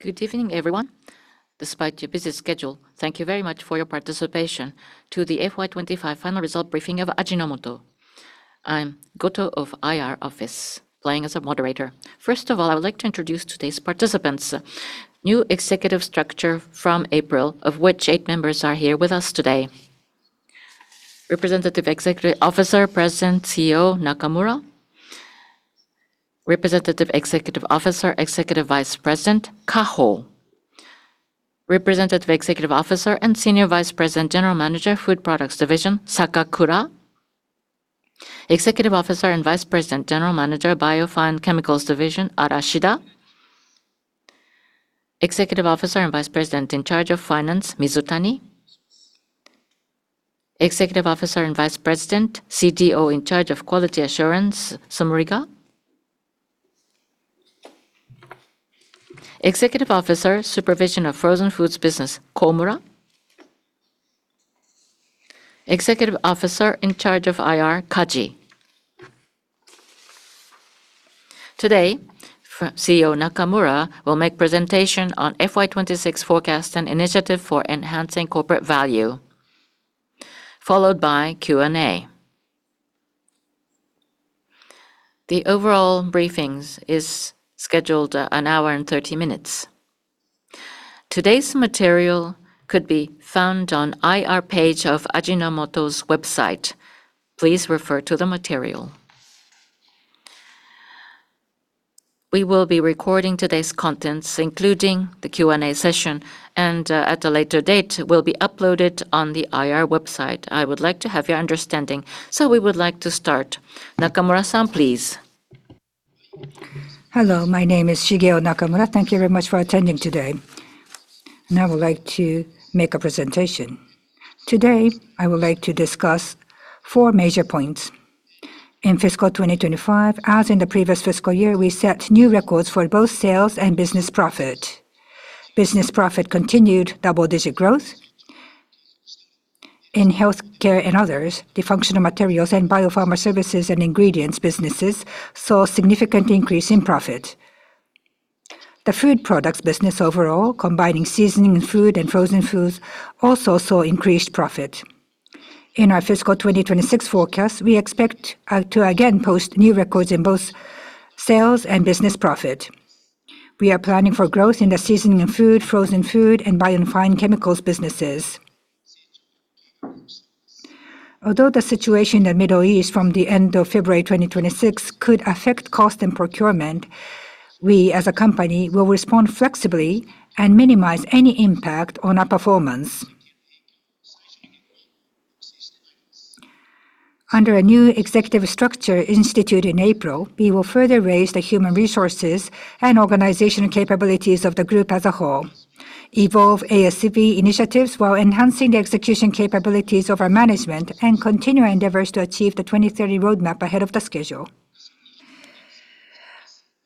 Good evening, everyone. Despite your busy schedule, thank you very much for your participation to the FY 2025 final result briefing of Ajinomoto. I'm Goto of IR office, playing as a moderator. First of all, I would like to introduce today's participants. New executive structure from April, of which eight members are here with us today. Representative Executive Officer President CEO Nakamura. Representative Executive Officer, Executive Vice President Hiroshi Kaho. Representative Executive Officer and Senior Vice President, General Manager, Food Products Division, Sakakura. Executive Officer and Vice President, General Manager, Bio & Fine Chemicals Division, Arashida. Executive Officer and Vice President in charge of Finance, Mizutani. Executive Officer and Vice President, CDO in charge of Quality Assurance, Smriga. Executive Officer, Supervision of Frozen Foods Business, Komura. Executive Officer in charge of IR, Kaji. Today, CEO Nakamura will make presentation on FY 2026 forecast and initiative for enhancing corporate value, followed by Q&A. The overall briefings is scheduled an hour and 30 minutes. Today's material could be found on IR page of Ajinomoto's website. Please refer to the material. We will be recording today's contents, including the Q&A session, and at a later date, will be uploaded on the IR website. I would like to have your understanding. We would like to start. Nakamura-san, please. Hello, my name is Shigeo Nakamura. Thank you very much for attending today, and I would like to make a presentation. Today, I would like to discuss four major points. In fiscal 2025, as in the previous fiscal year, we set new records for both sales and business profit. Business profit continued double-digit growth. In Healthcare and others, the functional materials and Bio-Pharma Services and Ingredients businesses saw significant increase in profit. The food products business overall, combining seasoning and food and frozen foods, also saw increased profit. In our fiscal 2026 forecast, we expect to again post new records in both sales and business profit. We are planning for growth in the seasoning food, frozen food and Bio & Fine Chemicals businesses. Although the situation in the Middle East from the end of February 2026 could affect cost and procurement, we as a company will respond flexibly and minimize any impact on our performance. Under a new executive structure instituted in April, we will further raise the human resources and organizational capabilities of the group as a whole, evolve ASV initiatives while enhancing execution capabilities of our management and continue our endeavors to achieve the 2030 roadmap ahead of the schedule.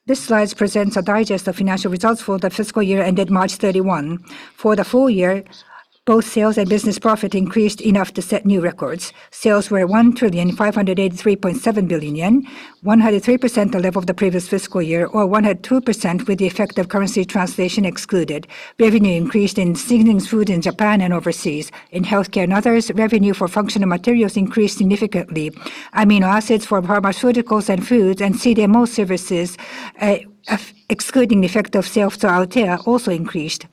This slide presents a digest of financial results for the fiscal year ended March 31. For the full year, both sales and business profit increased enough to set new records. Sales were 1,583.7 billion yen, 103% the level of the previous fiscal year, or 102% with the effect of currency translation excluded. Revenue increased in seasonings food in Japan and overseas. In Healthcare and others, revenue for functional materials increased significantly. Amino acids for pharmaceuticals and foods and CDMO services, excluding the effect of sales to Althea, also increased.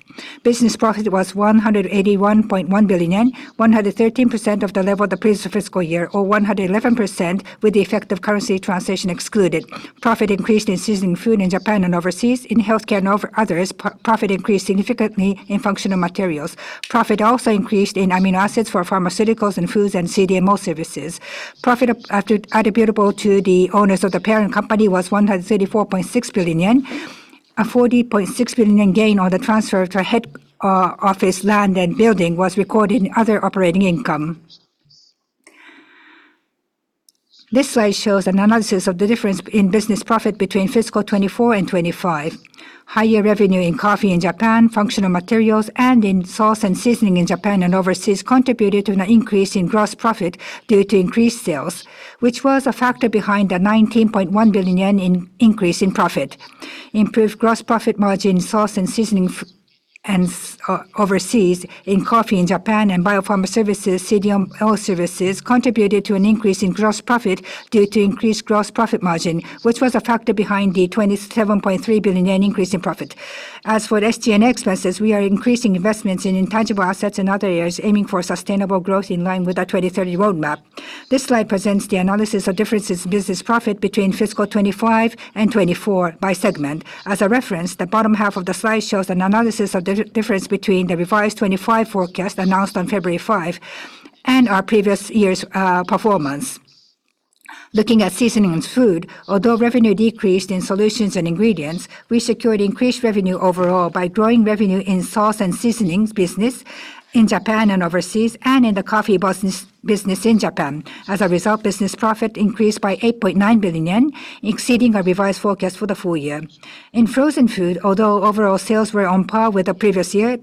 Business profit was 181.1 billion yen, 113% of the level of the previous fiscal year, or 111% with the effect of currency translation excluded. Profit increased in seasoning food in Japan and overseas. In Healthcare and others, profit increased significantly in functional materials. Profit also increased in amino acids for pharmaceuticals and foods and CDMO services. Profit attributable to the owners of the parent company was 134.6 billion yen. A 40.6 billion yen gain on the transfer of the office land and building was recorded in other operating income. This slide shows an analysis of the difference in business profit between fiscal 2024 and 2025. Higher revenue in coffee in Japan, functional materials, and in sauce and seasoning in Japan and overseas contributed to an increase in gross profit due to increased sales, which was a factor behind the 19.1 billion yen increase in profit. Improved gross profit margin in sauce and seasoning and overseas in coffee in Japan and Bio-Pharma Services, CDMO services contributed to an increase in gross profit due to increased gross profit margin, which was a factor behind the 27.3 billion yen increase in profit. As for SG&A expenses, we are increasing investments in intangible assets in other areas, aiming for sustainable growth in line with our 2030 roadmap. This slide presents the analysis of difference in business profit between fiscal 2025 and 2024 by segment. As a reference, the bottom half of the slide shows an analysis of the difference between the revised 25 forecast announced on February 5 and our previous year's performance. Looking at seasonings food, although revenue decreased in Solutions and Ingredients, we secured increased revenue overall by growing revenue in sauce and seasonings business in Japan and overseas and in the coffee business in Japan. As a result, business profit increased by 8.9 billion yen, exceeding our revised forecast for the full year. In frozen food, although overall sales were on par with the previous year,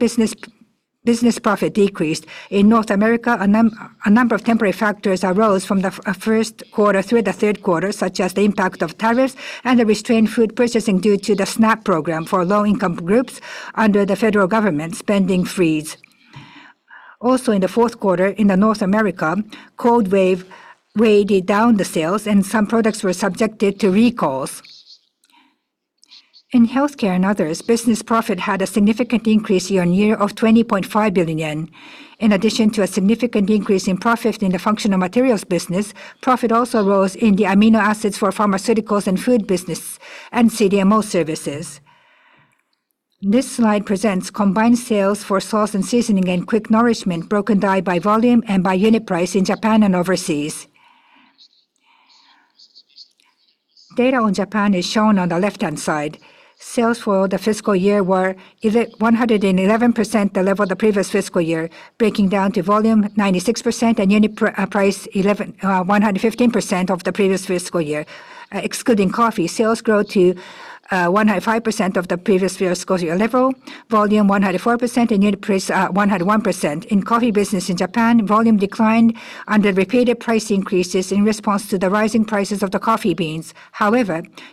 Business profit decreased. In North America, a number of temporary factors arose from the first quarter through the third quarter, such as the impact of tariffs and the restrained food purchasing due to the SNAP program for low-income groups under the federal government spending freeze. Also, in the fourth quarter in North America, cold wave weighted down the sales and some products were subjected to recalls. In Healthcare and others, business profit had a significant increase year-over-year of 20.5 billion yen. In addition to a significant increase in profit in the functional materials business, profit also rose in the amino acids for pharmaceuticals and food business and CDMO services. This slide presents combined sales for sauce and seasoning and quick nourishment broken down by volume and by unit price in Japan and overseas. Data on Japan is shown on the left-hand side. Sales for the fiscal year were 111% the level of the previous fiscal year, breaking down to volume 96% and unit price 115% of the previous fiscal year. Excluding coffee, sales grow to 105% of the previous fiscal year level, volume 104% and unit price 101%. In coffee business in Japan, volume declined under repeated price increases in response to the rising prices of the coffee beans.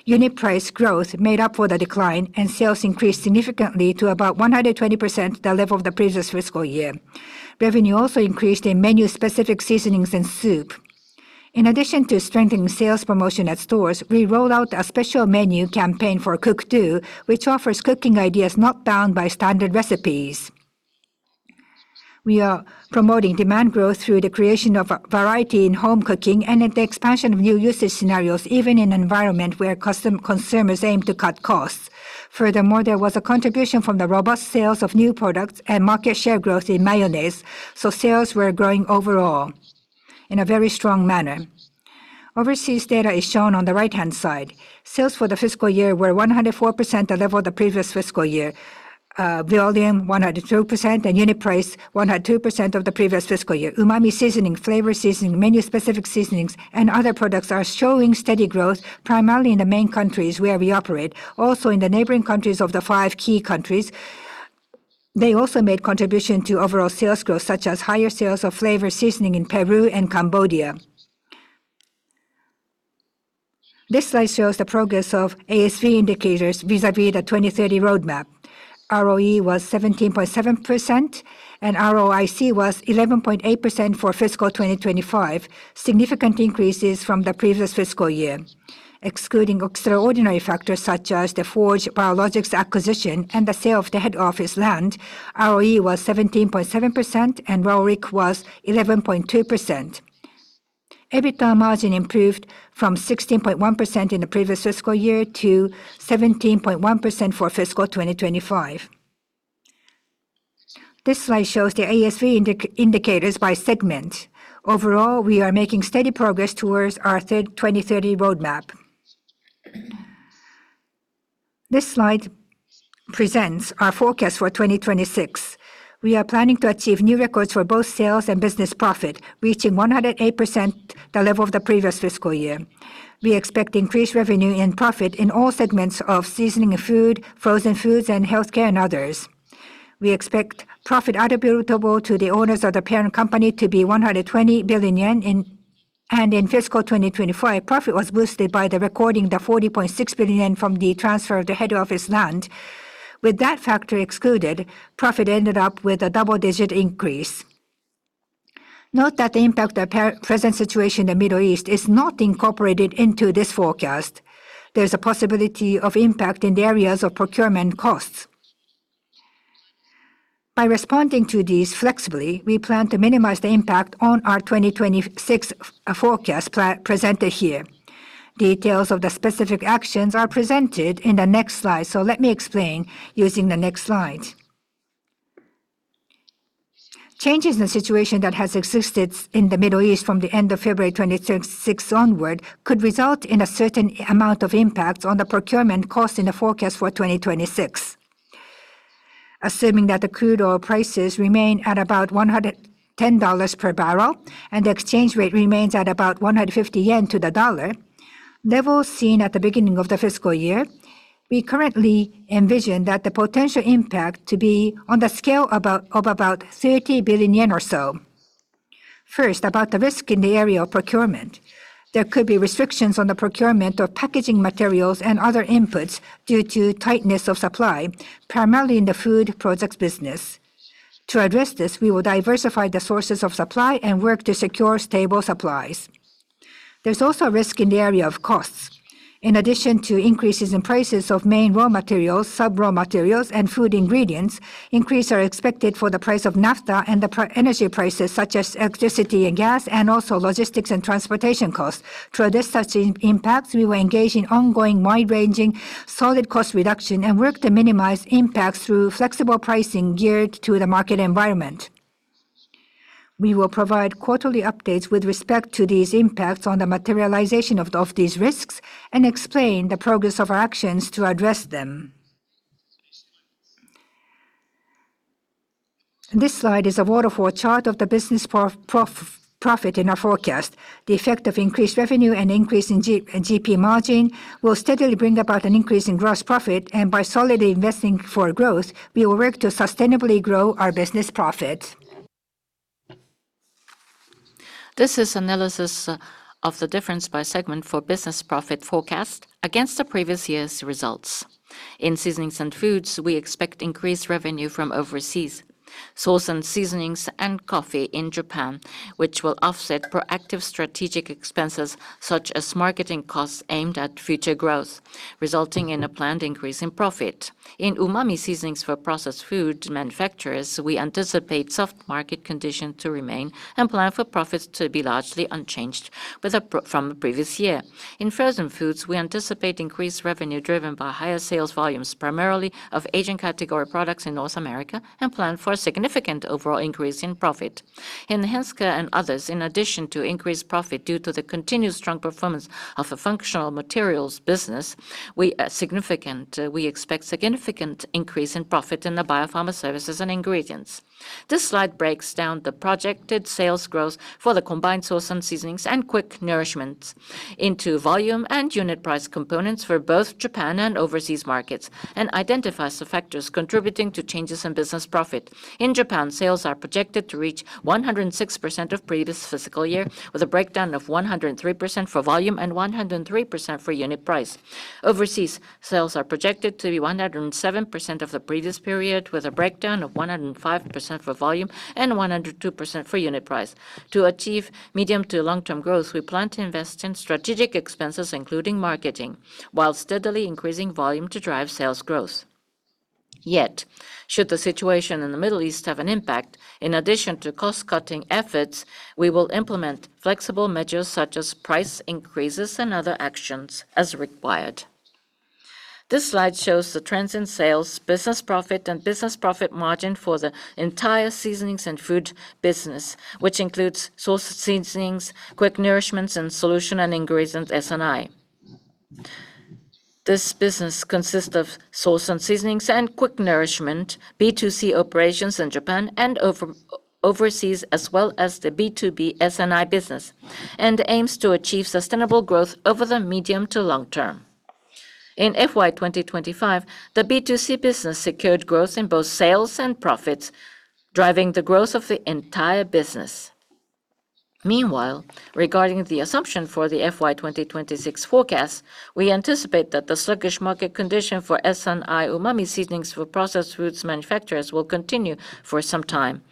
Unit price growth made up for the decline and sales increased significantly to about 120% the level of the previous fiscal year. Revenue also increased in menu-specific seasonings and soup. In addition to strengthening sales promotion at stores, we rolled out a special menu campaign for Cook Do, which offers cooking ideas not bound by standard recipes. We are promoting demand growth through the creation of a variety in home cooking and in the expansion of new usage scenarios, even in an environment where consumers aim to cut costs. There was a contribution from the robust sales of new products and market share growth in mayonnaise, sales were growing overall in a very strong manner. Overseas data is shown on the right-hand side. Sales for the fiscal year were 104% the level of the previous fiscal year. Volume 102% and unit price 102% of the previous fiscal year. Umami seasoning, flavor seasoning, menu-specific seasonings and other products are showing steady growth, primarily in the main countries where we operate. In the neighboring countries of the five key countries, they also made contribution to overall sales growth such as higher sales of flavor seasoning in Peru and Cambodia. This slide shows the progress of ASV indicators vis-a-vis the 2030 roadmap. ROE was 17.7% and ROIC was 11.8% for fiscal 2025, significant increases from the previous fiscal year. Excluding extraordinary factors such as the Forge Biologics acquisition and the sale of the head office land, ROE was 17.7% and ROIC was 11.2%. EBITDA margin improved from 16.1% in the previous fiscal year to 17.1% for fiscal 2025. This slide shows the ASV indicators by segment. Overall, we are making steady progress towards our 2030 roadmap. This slide presents our forecast for 2026. We are planning to achieve new records for both sales and business profit, reaching 108% the level of the previous fiscal year. We expect increased revenue and profit in all segments of seasoning food, frozen foods, and Healthcare and others. We expect profit attributable to the owners of the parent company to be 120 billion yen and in fiscal 2025, profit was boosted by the recording the 40.6 billion from the transfer of the head office land. With that factor excluded, profit ended up with a double-digit increase. Note that the impact of the present situation in the Middle East is not incorporated into this forecast. There is a possibility of impact in the areas of procurement costs. By responding to these flexibly, we plan to minimize the impact on our 2026 forecast presented here. Details of the specific actions are presented in the next slide. Let me explain using the next slide. Changes in the situation that has existed in the Middle East from the end of February 2026 onward could result in a certain amount of impact on the procurement cost in the forecast for 2026. Assuming that the crude oil prices remain at about $110 per bbl and the exchange rate remains at about 150 yen to the dollar, levels seen at the beginning of the fiscal year, we currently envision that the potential impact to be on the scale of about 30 billion yen or so. First, about the risk in the area of procurement. There could be restrictions on the procurement of packaging materials and other inputs due to tightness of supply, primarily in the food products business. To address this, we will diversify the sources of supply and work to secure stable supplies. There's also a risk in the area of costs. In addition to increases in prices of main raw materials, sub-raw materials and food ingredients, increase are expected for the price of naphtha and energy prices such as electricity and gas and also logistics and transportation costs. To reduce such impacts, we will engage in ongoing wide-ranging solid cost reduction and work to minimize impacts through flexible pricing geared to the market environment. We will provide quarterly updates with respect to these impacts on the materialization of these risks and explain the progress of our actions to address them. This slide is a waterfall chart of the business profit in our forecast. The effect of increased revenue and increase in GP margin will steadily bring about an increase in gross profit, and by solidly investing for growth, we will work to sustainably grow our business profit. This is analysis of the difference by segment for business profit forecast against the previous year's results. In seasonings and foods, we expect increased revenue from overseas sauce and seasonings and coffee in Japan, which will offset proactive strategic expenses such as marketing costs aimed at future growth, resulting in a planned increase in profit. In umami seasonings for processed food manufacturers, we anticipate soft market condition to remain and plan for profits to be largely unchanged from the previous year. In frozen foods, we anticipate increased revenue driven by higher sales volumes, primarily of Asian category products in North America, and plan for a significant overall increase in profit. In Healthcare and others, in addition to increased profit due to the continued strong performance of a functional materials business, we expect significant increase in profit in the Bio-Pharma Services and Ingredients. This slide breaks down the projected sales growth for the combined sauce and seasonings and quick nourishments into volume and unit price components for both Japan and overseas markets and identifies the factors contributing to changes in business profit. In Japan, sales are projected to reach 106% of previous fiscal year, with a breakdown of 103% for volume and 103% for unit price. Overseas sales are projected to be 107% of the previous period, with a breakdown of 105% for volume and 102% for unit price. To achieve medium to long-term growth, we plan to invest in strategic expenses, including marketing, while steadily increasing volume to drive sales growth. Yet, should the situation in the Middle East have an impact, in addition to cost-cutting efforts, we will implement flexible measures such as price increases and other actions as required. This slide shows the trends in sales, business profit, and business profit margin for the entire seasonings and food business, which includes sauce seasonings, quick nourishments, and Solutions and Ingredients, S&I. This business consists of sauce and seasonings and quick nourishment B2C operations in Japan and overseas, as well as the B2B S&I business, and aims to achieve sustainable growth over the medium to long term. In FY 2025, the B2C business secured growth in both sales and profits, driving the growth of the entire business. Meanwhile, regarding the assumption for the FY 2026 forecast, we anticipate that the sluggish market condition for S&I umami seasonings for processed foods manufacturers will continue for some time.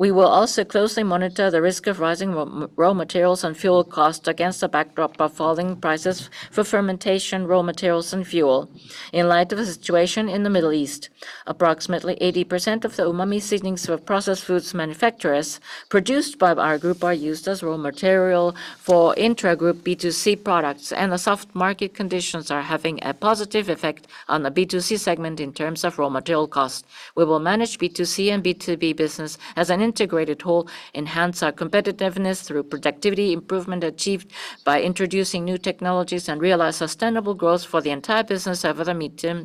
We will also closely monitor the risk of rising raw materials and fuel costs against the backdrop of falling prices for fermentation, raw materials, and fuel in light of the situation in the Middle East. Approximately 80% of the umami seasonings for processed foods manufacturers produced by our group are used as raw material for intra-group B2C products, and the soft market conditions are having a positive effect on the B2C segment in terms of raw material cost. We will manage B2C and B2B business as an integrated whole, enhance our competitiveness through productivity improvement achieved by introducing new technologies, and realize sustainable growth for the entire business over the medium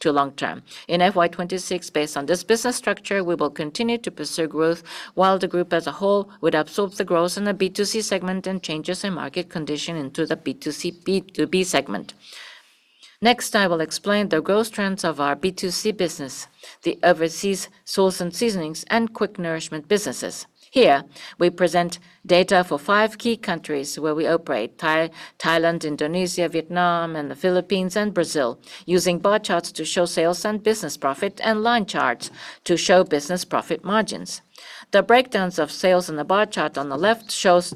to long term. In FY 2026, based on this business structure, we will continue to pursue growth while the group as a whole would absorb the growth in the B2C segment and changes in market condition into the B2C, B2B segment. Next, I will explain the growth trends of our B2C business, the overseas sauce and seasonings and quick nourishment businesses. Here, we present data for five key countries where we operate Thailand, Indonesia, Vietnam, and the Philippines, and Brazil, using bar charts to show sales and business profit and line charts to show business profit margins. The breakdowns of sales in the bar chart on the left shows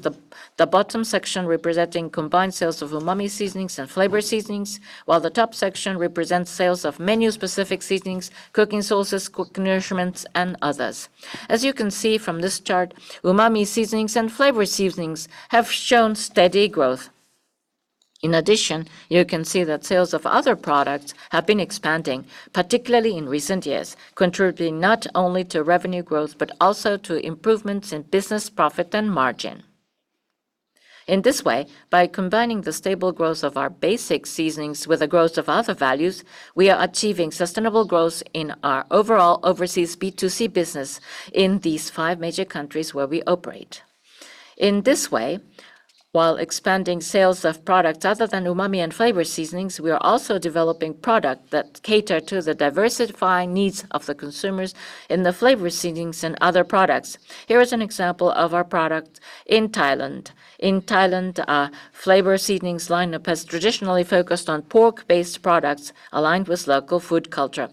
the bottom section representing combined sales of umami seasonings and flavor seasonings, while the top section represents sales of menu-specific seasonings, cooking sauces, quick nourishments, and others. As you can see from this chart, umami seasonings and flavor seasonings have shown steady growth. In addition, you can see that sales of other products have been expanding, particularly in recent years, contributing not only to revenue growth, but also to improvements in business profit and margin. In this way, by combining the stable growth of our basic seasonings with the growth of other values, we are achieving sustainable growth in our overall overseas B2C business in these five major countries where we operate. In this way, while expanding sales of products other than umami and flavor seasonings, we are also developing product that cater to the diversifying needs of the consumers in the flavor seasonings and other products. Here is an example of our product in Thailand. In Thailand, our flavor seasonings lineup has traditionally focused on pork-based products aligned with local food culture.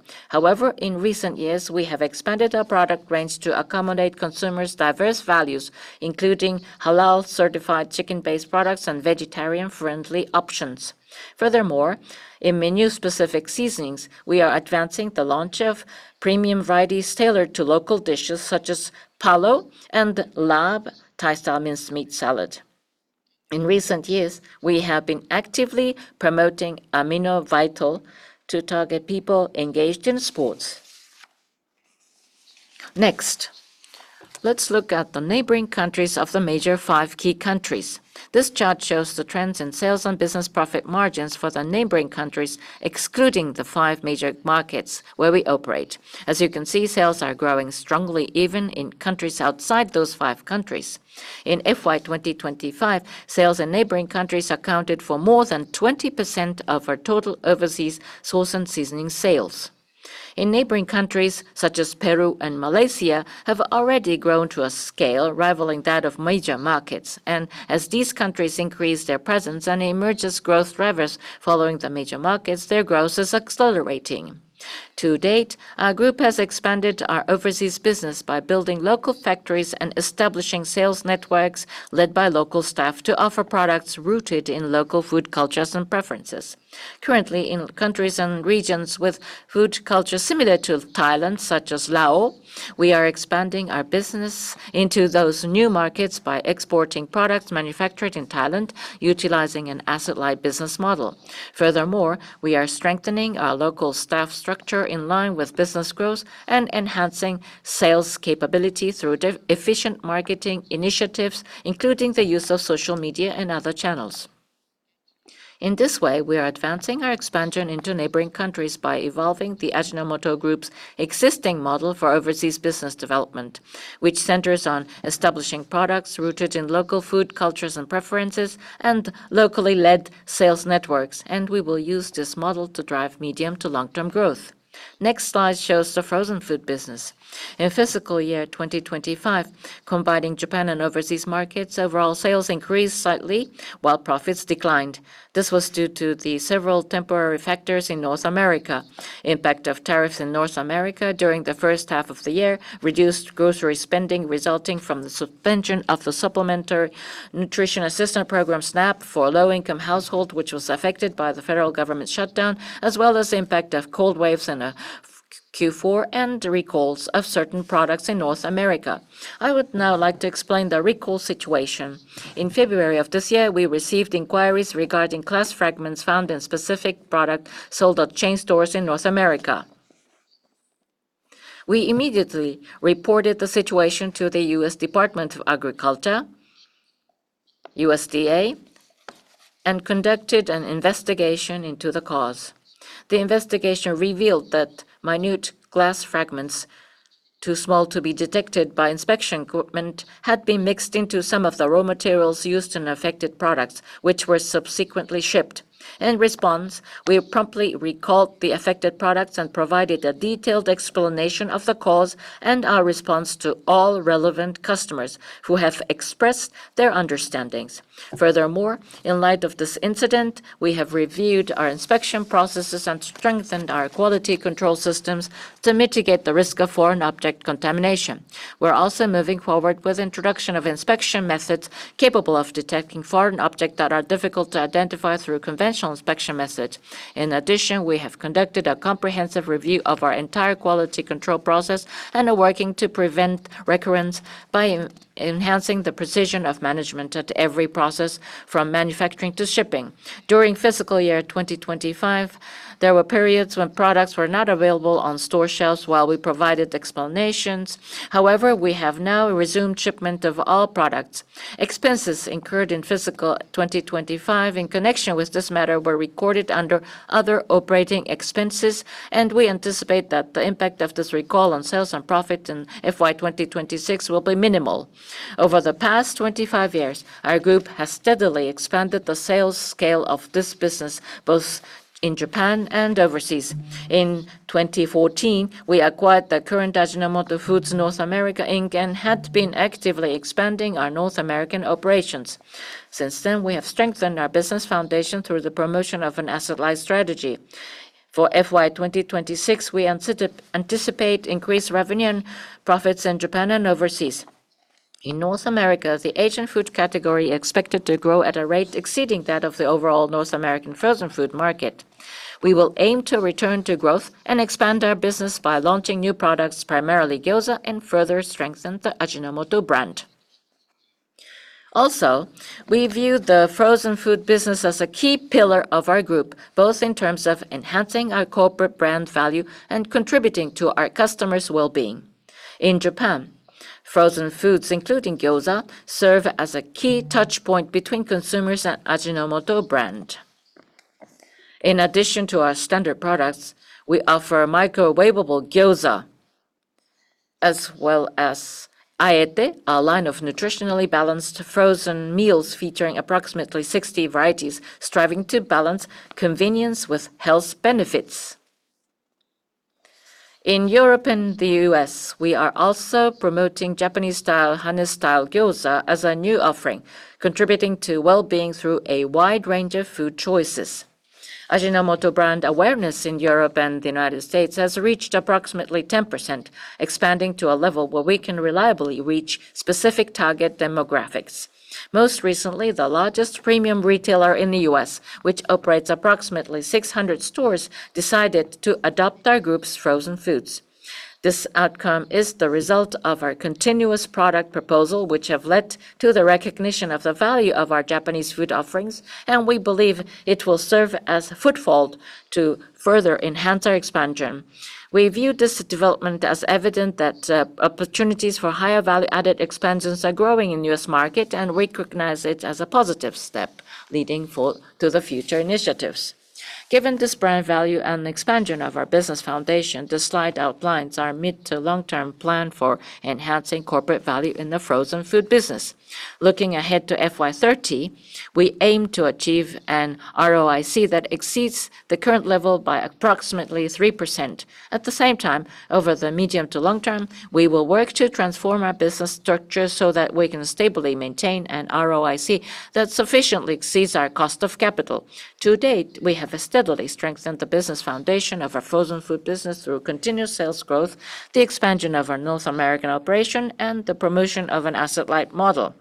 In recent years, we have expanded our product range to accommodate consumers' diverse values, including halal-certified chicken-based products and vegetarian-friendly options. In menu-specific seasonings, we are advancing the launch of premium varieties tailored to local dishes such as palo and laab, Thai-style minced meat salad. In recent years, we have been actively promoting aminoVITAL to target people engaged in sports. Next, let's look at the neighboring countries of the major five key countries. This chart shows the trends in sales and business profit margins for the neighboring countries, excluding the five major markets where we operate. As you can see, sales are growing strongly even in countries outside those five countries. In FY 2025, sales in neighboring countries accounted for more than 20% of our total overseas sauce and seasoning sales. In neighboring countries such as Peru and Malaysia have already grown to a scale rivaling that of major markets, and as these countries increase their presence and emerges growth drivers following the major markets, their growth is accelerating. To date, our Group has expanded our overseas business by building local factories and establishing sales networks led by local staff to offer products rooted in local food cultures and preferences. Currently, in countries and regions with food culture similar to Thailand, such as Laos, we are expanding our business into those new markets by exporting products manufactured in Thailand, utilizing an asset-light business model. Furthermore, we are strengthening our local staff structure in line with business growth and enhancing sales capability through efficient marketing initiatives, including the use of social media and other channels. In this way, we are advancing our expansion into neighboring countries by evolving the Ajinomoto Group's existing model for overseas business development, which centers on establishing products rooted in local food cultures and preferences and locally led sales networks, and we will use this model to drive medium to long-term growth. Next slide shows the frozen food business. In fiscal year 2025, combining Japan and overseas markets, overall sales increased slightly while profits declined. This was due to the several temporary factors in North America. Impact of tariffs in North America during the first half of the year reduced grocery spending resulting from the suspension of the Supplemental Nutrition Assistance Program, SNAP, for low-income household, which was affected by the federal government shutdown, as well as the impact of cold waves in Q4 and recalls of certain product in North America. I would now like to explain the recall situation. In February of this year, we received inquiries regarding glass fragments found in specific product sold at chain stores in North America. We immediately reported the situation to the U.S. Department of Agriculture, USDA, and conducted an investigation into the cause. The investigation revealed that minute glass fragments too small to be detected by inspection equipment had been mixed into some of the raw materials used in affected products, which were subsequently shipped. In response, we promptly recalled the affected products and provided a detailed explanation of the cause and our response to all relevant customers who have expressed their understandings. Furthermore, in light of this incident, we have reviewed our inspection processes and strengthened our quality control systems to mitigate the risk of foreign object contamination. We're also moving forward with introduction of inspection methods capable of detecting foreign object that are difficult to identify through conventional inspection methods. In addition, we have conducted a comprehensive review of our entire quality control process and are working to prevent recurrence by enhancing the precision of management at every process from manufacturing to shipping. During fiscal year 2025, there were periods when products were not available on store shelves while we provided explanations. However, we have now resumed shipment of all products. Expenses incurred in fiscal 2025 in connection with this matter were recorded under other operating expenses, and we anticipate that the impact of this recall on sales and profit in FY 2026 will be minimal. Over the past 25 years, our group has steadily expanded the sales scale of this business both in Japan and overseas. In 2014, we acquired the current Ajinomoto Foods North America Inc. and had been actively expanding our North American operations. Since then, we have strengthened our business foundation through the promotion of an asset-light strategy. For FY 2026, we anticipate increased revenue and profits in Japan and overseas. In North America, the Asian food category expected to grow at a rate exceeding that of the overall North American frozen food market. We will aim to return to growth and expand our business by launching new products, primarily gyoza, and further strengthen the Ajinomoto brand. Also, we view the frozen food business as a key pillar of our group, both in terms of enhancing our corporate brand value and contributing to our customers' well-being. In Japan, frozen foods, including gyoza, serve as a key touch point between consumers and Ajinomoto brand. In addition to our standard products, we offer a microwavable gyoza as well as Aete, our line of nutritionally balanced frozen meals featuring approximately 60 varieties, striving to balance convenience with health benefits. In Europe and the U.S., we are also promoting Japanese-style, Hanetsuki-style gyoza as a new offering, contributing to well-being through a wide range of food choices. Ajinomoto brand awareness in Europe and the United States has reached approximately 10%, expanding to a level where we can reliably reach specific target demographics. Most recently, the largest premium retailer in the U.S., which operates approximately 600 stores, decided to adopt our Group's frozen foods. This outcome is the result of our continuous product proposal, which have led to the recognition of the value of our Japanese food offerings, and we believe it will serve as foothold to further enhance our expansion. We view this development as evident that opportunities for higher value-added expansions are growing in U.S. market, and we recognize it as a positive step leading to the future initiatives. Given this brand value and expansion of our business foundation, this slide outlines our mid to long-term plan for enhancing corporate value in the frozen food business. Looking ahead to FY 2030, we aim to achieve an ROIC that exceeds the current level by approximately 3%. At the same time, over the medium to long term, we will work to transform our business structure so that we can stably maintain an ROIC that sufficiently exceeds our cost of capital. To date, we have steadily strengthened the business foundation of our frozen food business through continuous sales growth, the expansion of our North American operation, and the promotion of an asset-light model.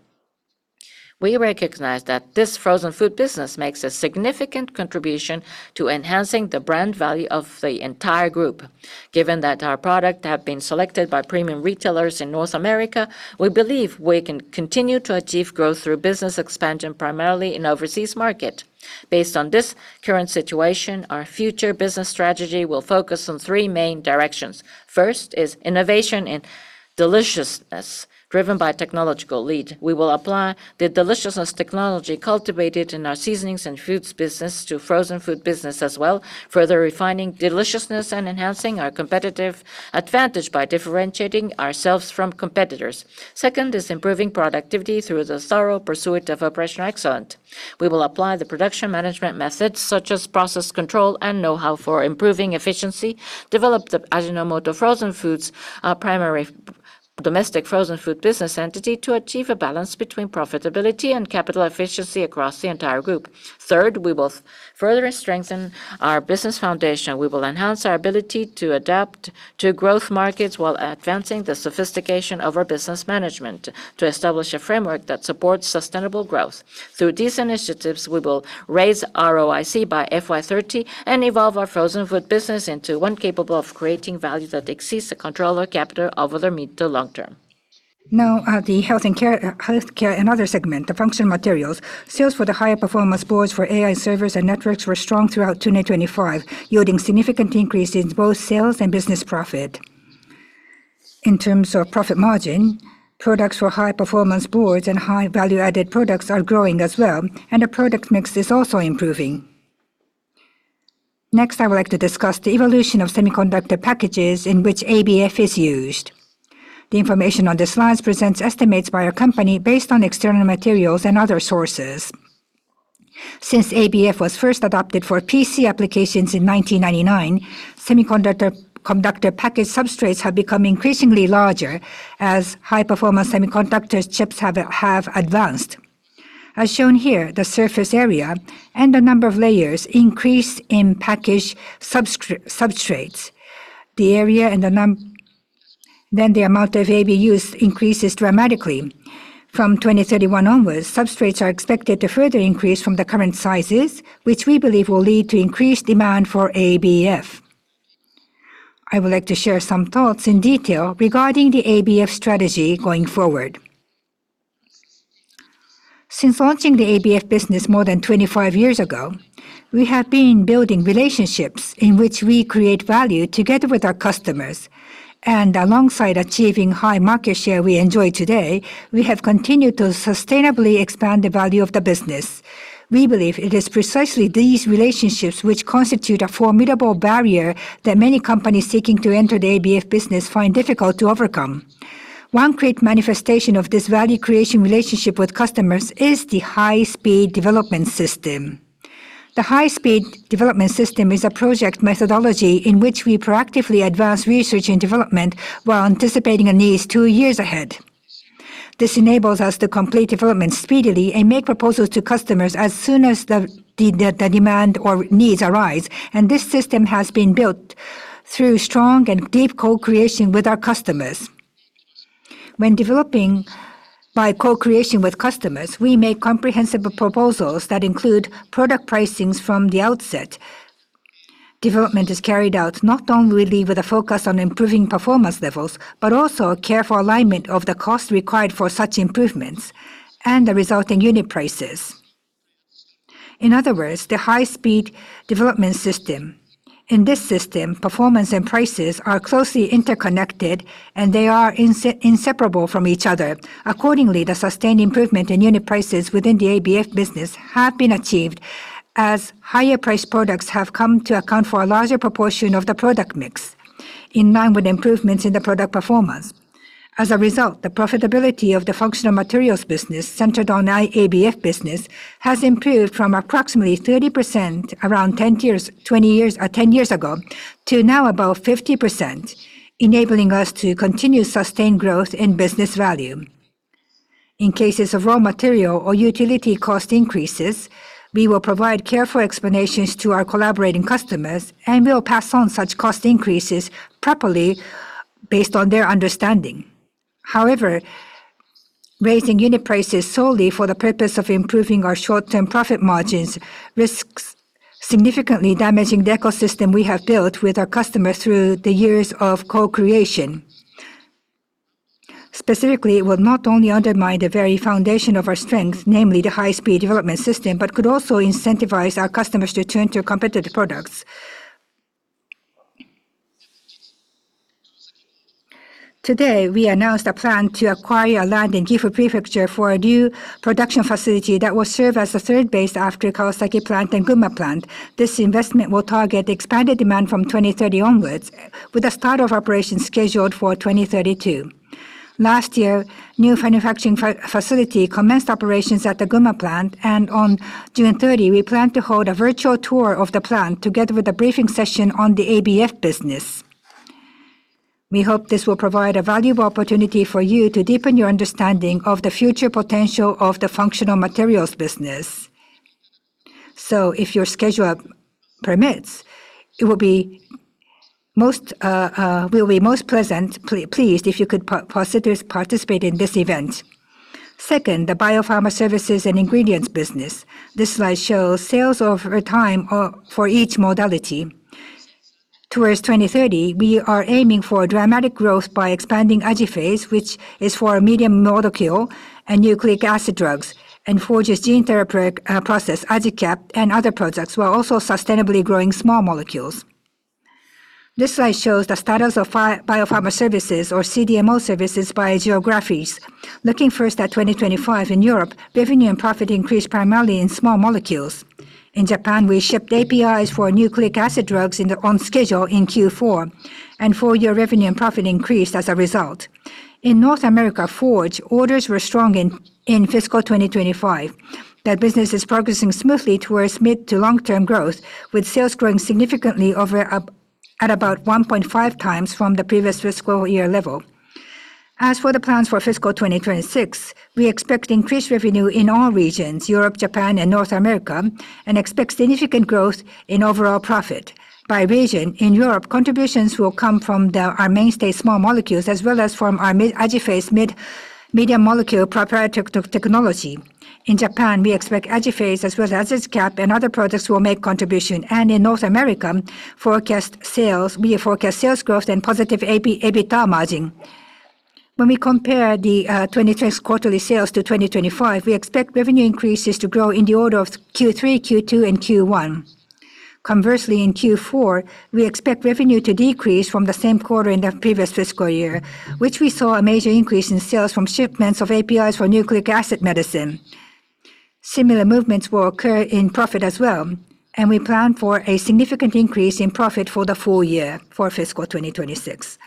We recognize that this frozen food business makes a significant contribution to enhancing the brand value of the entire Group. Given that our products have been selected by premium retailers in North America, we believe we can continue to achieve growth through business expansion, primarily in overseas markets. Based on this current situation, our future business strategy will focus on three main directions. First is innovation and deliciousness driven by technological lead. We will apply the deliciousness technology cultivated in our seasonings and foods business to frozen foods business as well, further refining deliciousness and enhancing our competitive advantage by differentiating ourselves from competitors. Second is improving productivity through the thorough pursuit of operational excellence. We will apply the production management methods such as process control and know-how for improving efficiency, develop the Ajinomoto Frozen Foods, our primary domestic frozen foods business entity, to achieve a balance between profitability and capital efficiency across the entire group. Third, we will further strengthen our business foundation. We will enhance our ability to adapt to growth markets while advancing the sophistication of our business management to establish a framework that supports sustainable growth. Through these initiatives, we will raise ROIC by FY 2030 and evolve our frozen food business into one capable of creating value that exceeds the control of capital over the mid to long term. Now, the Healthcare and others segment, the functional materials. Sales for the higher performance boards for AI servers and networks were strong throughout 2025, yielding significant increase in both sales and business profit. In terms of profit margin, products for high-performance boards and high value-added products are growing as well, and the product mix is also improving. Next, I would like to discuss the evolution of semiconductor packages in which ABF is used. The information on the slides presents estimates by our company based on external materials and other sources. Since ABF was first adopted for PC applications in 1999, semiconductor package substrates have become increasingly larger as high-performance semiconductor chips have advanced. As shown here, the surface area and the number of layers increase in package substrates. The area and the amount of ABF used increases dramatically. From 2031 onwards, substrates are expected to further increase from the current sizes, which we believe will lead to increased demand for ABF. I would like to share some thoughts in detail regarding the ABF strategy going forward. Since launching the ABF business more than 25 years ago, we have been building relationships in which we create value together with our customers. Alongside achieving high market share we enjoy today, we have continued to sustainably expand the value of the business. We believe it is precisely these relationships which constitute a formidable barrier that many companies seeking to enter the ABF business find difficult to overcome. One great manifestation of this value creation relationship with customers is the High-Speed Development System. The High-Speed Development System is a project methodology in which we proactively advance research and development while anticipating needs two years ahead. This enables us to complete development speedily and make proposals to customers as soon as the demand or needs arise. This system has been built through strong and deep co-creation with our customers. When developing by co-creation with customers, we make comprehensive proposals that include product pricings from the outset. Development is carried out not only with a focus on improving performance levels, but also a careful alignment of the cost required for such improvements and the resulting unit prices. In other words, the High-Speed Development System. In this system, performance and prices are closely interconnected, and they are inseparable from each other. Accordingly, the sustained improvement in unit prices within the ABF business have been achieved as higher priced products have come to account for a larger proportion of the product mix in line with improvements in the product performance. As a result, the profitability of the functional materials business centered on ABF business has improved from approximately 30% around 10 years, 20 years, 10 years ago to now above 50%, enabling us to continue sustained growth in business value. In cases of raw material or utility cost increases, we will provide careful explanations to our collaborating customers, and we will pass on such cost increases properly based on their understanding. However, raising unit prices solely for the purpose of improving our short-term profit margins risks significantly damaging the ecosystem we have built with our customers through the years of co-creation. Specifically, it will not only undermine the very foundation of our strength, namely the High-Speed Development System, but could also incentivize our customers to turn to competitive products. Today, we announced a plan to acquire land in Gifu Prefecture for a new production facility that will serve as a third base after Kawasaki Plant and Gunma Plant. This investment will target expanded demand from 2030 onwards, with the start of operations scheduled for 2032. Last year, new manufacturing facility commenced operations at the Gunma Plant, and on June 30, we plan to hold a virtual tour of the plant together with a briefing session on the ABF business. We hope this will provide a valuable opportunity for you to deepen your understanding of the future potential of the functional materials business. If your schedule permits, we'll be most pleased if you could participate in this event. Second, the Bio-Pharma Services and Ingredients business. This slide shows sales over time for each modality. Towards 2030, we are aiming for dramatic growth by expanding AJIPHASE, which is for medium molecule and nucleic acid drugs, and Forge Biologics' gene therapeutic process, AJICAP, and other products, while also sustainably growing small molecules. This slide shows the status of Bio-Pharma Services or CDMO services by geographies. Looking first at 2025 in Europe, revenue and profit increased primarily in small molecules. In Japan, we shipped APIs for nucleic acid drugs on schedule in Q4, and full year revenue and profit increased as a result. In North America Forge Biologics, orders were strong in fiscal 2025. That business is progressing smoothly towards mid to long-term growth, with sales growing significantly over up at about 1.5x from the previous fiscal year level. As for the plans for fiscal 2026, we expect increased revenue in all regions, Europe, Japan, and North America, and expect significant growth in overall profit. By region, in Europe, contributions will come from our mainstay small molecules as well as from our AJIPHASE medium molecule proprietary technology. In Japan, we expect AJIPHASE as well as AJICAP and other products will make contribution. In North America, we forecast sales growth and positive EBITDA margin. When we compare the 2026 quarterly sales to 2025, we expect revenue increases to grow in the order of Q3, Q2, and Q1. Conversely, in Q4, we expect revenue to decrease from the same quarter in the previous fiscal year, which we saw a major increase in sales from shipments of APIs for nucleic acid medicine. Similar movements will occur in profit as well, and we plan for a significant increase in profit for the full year for fiscal 2026.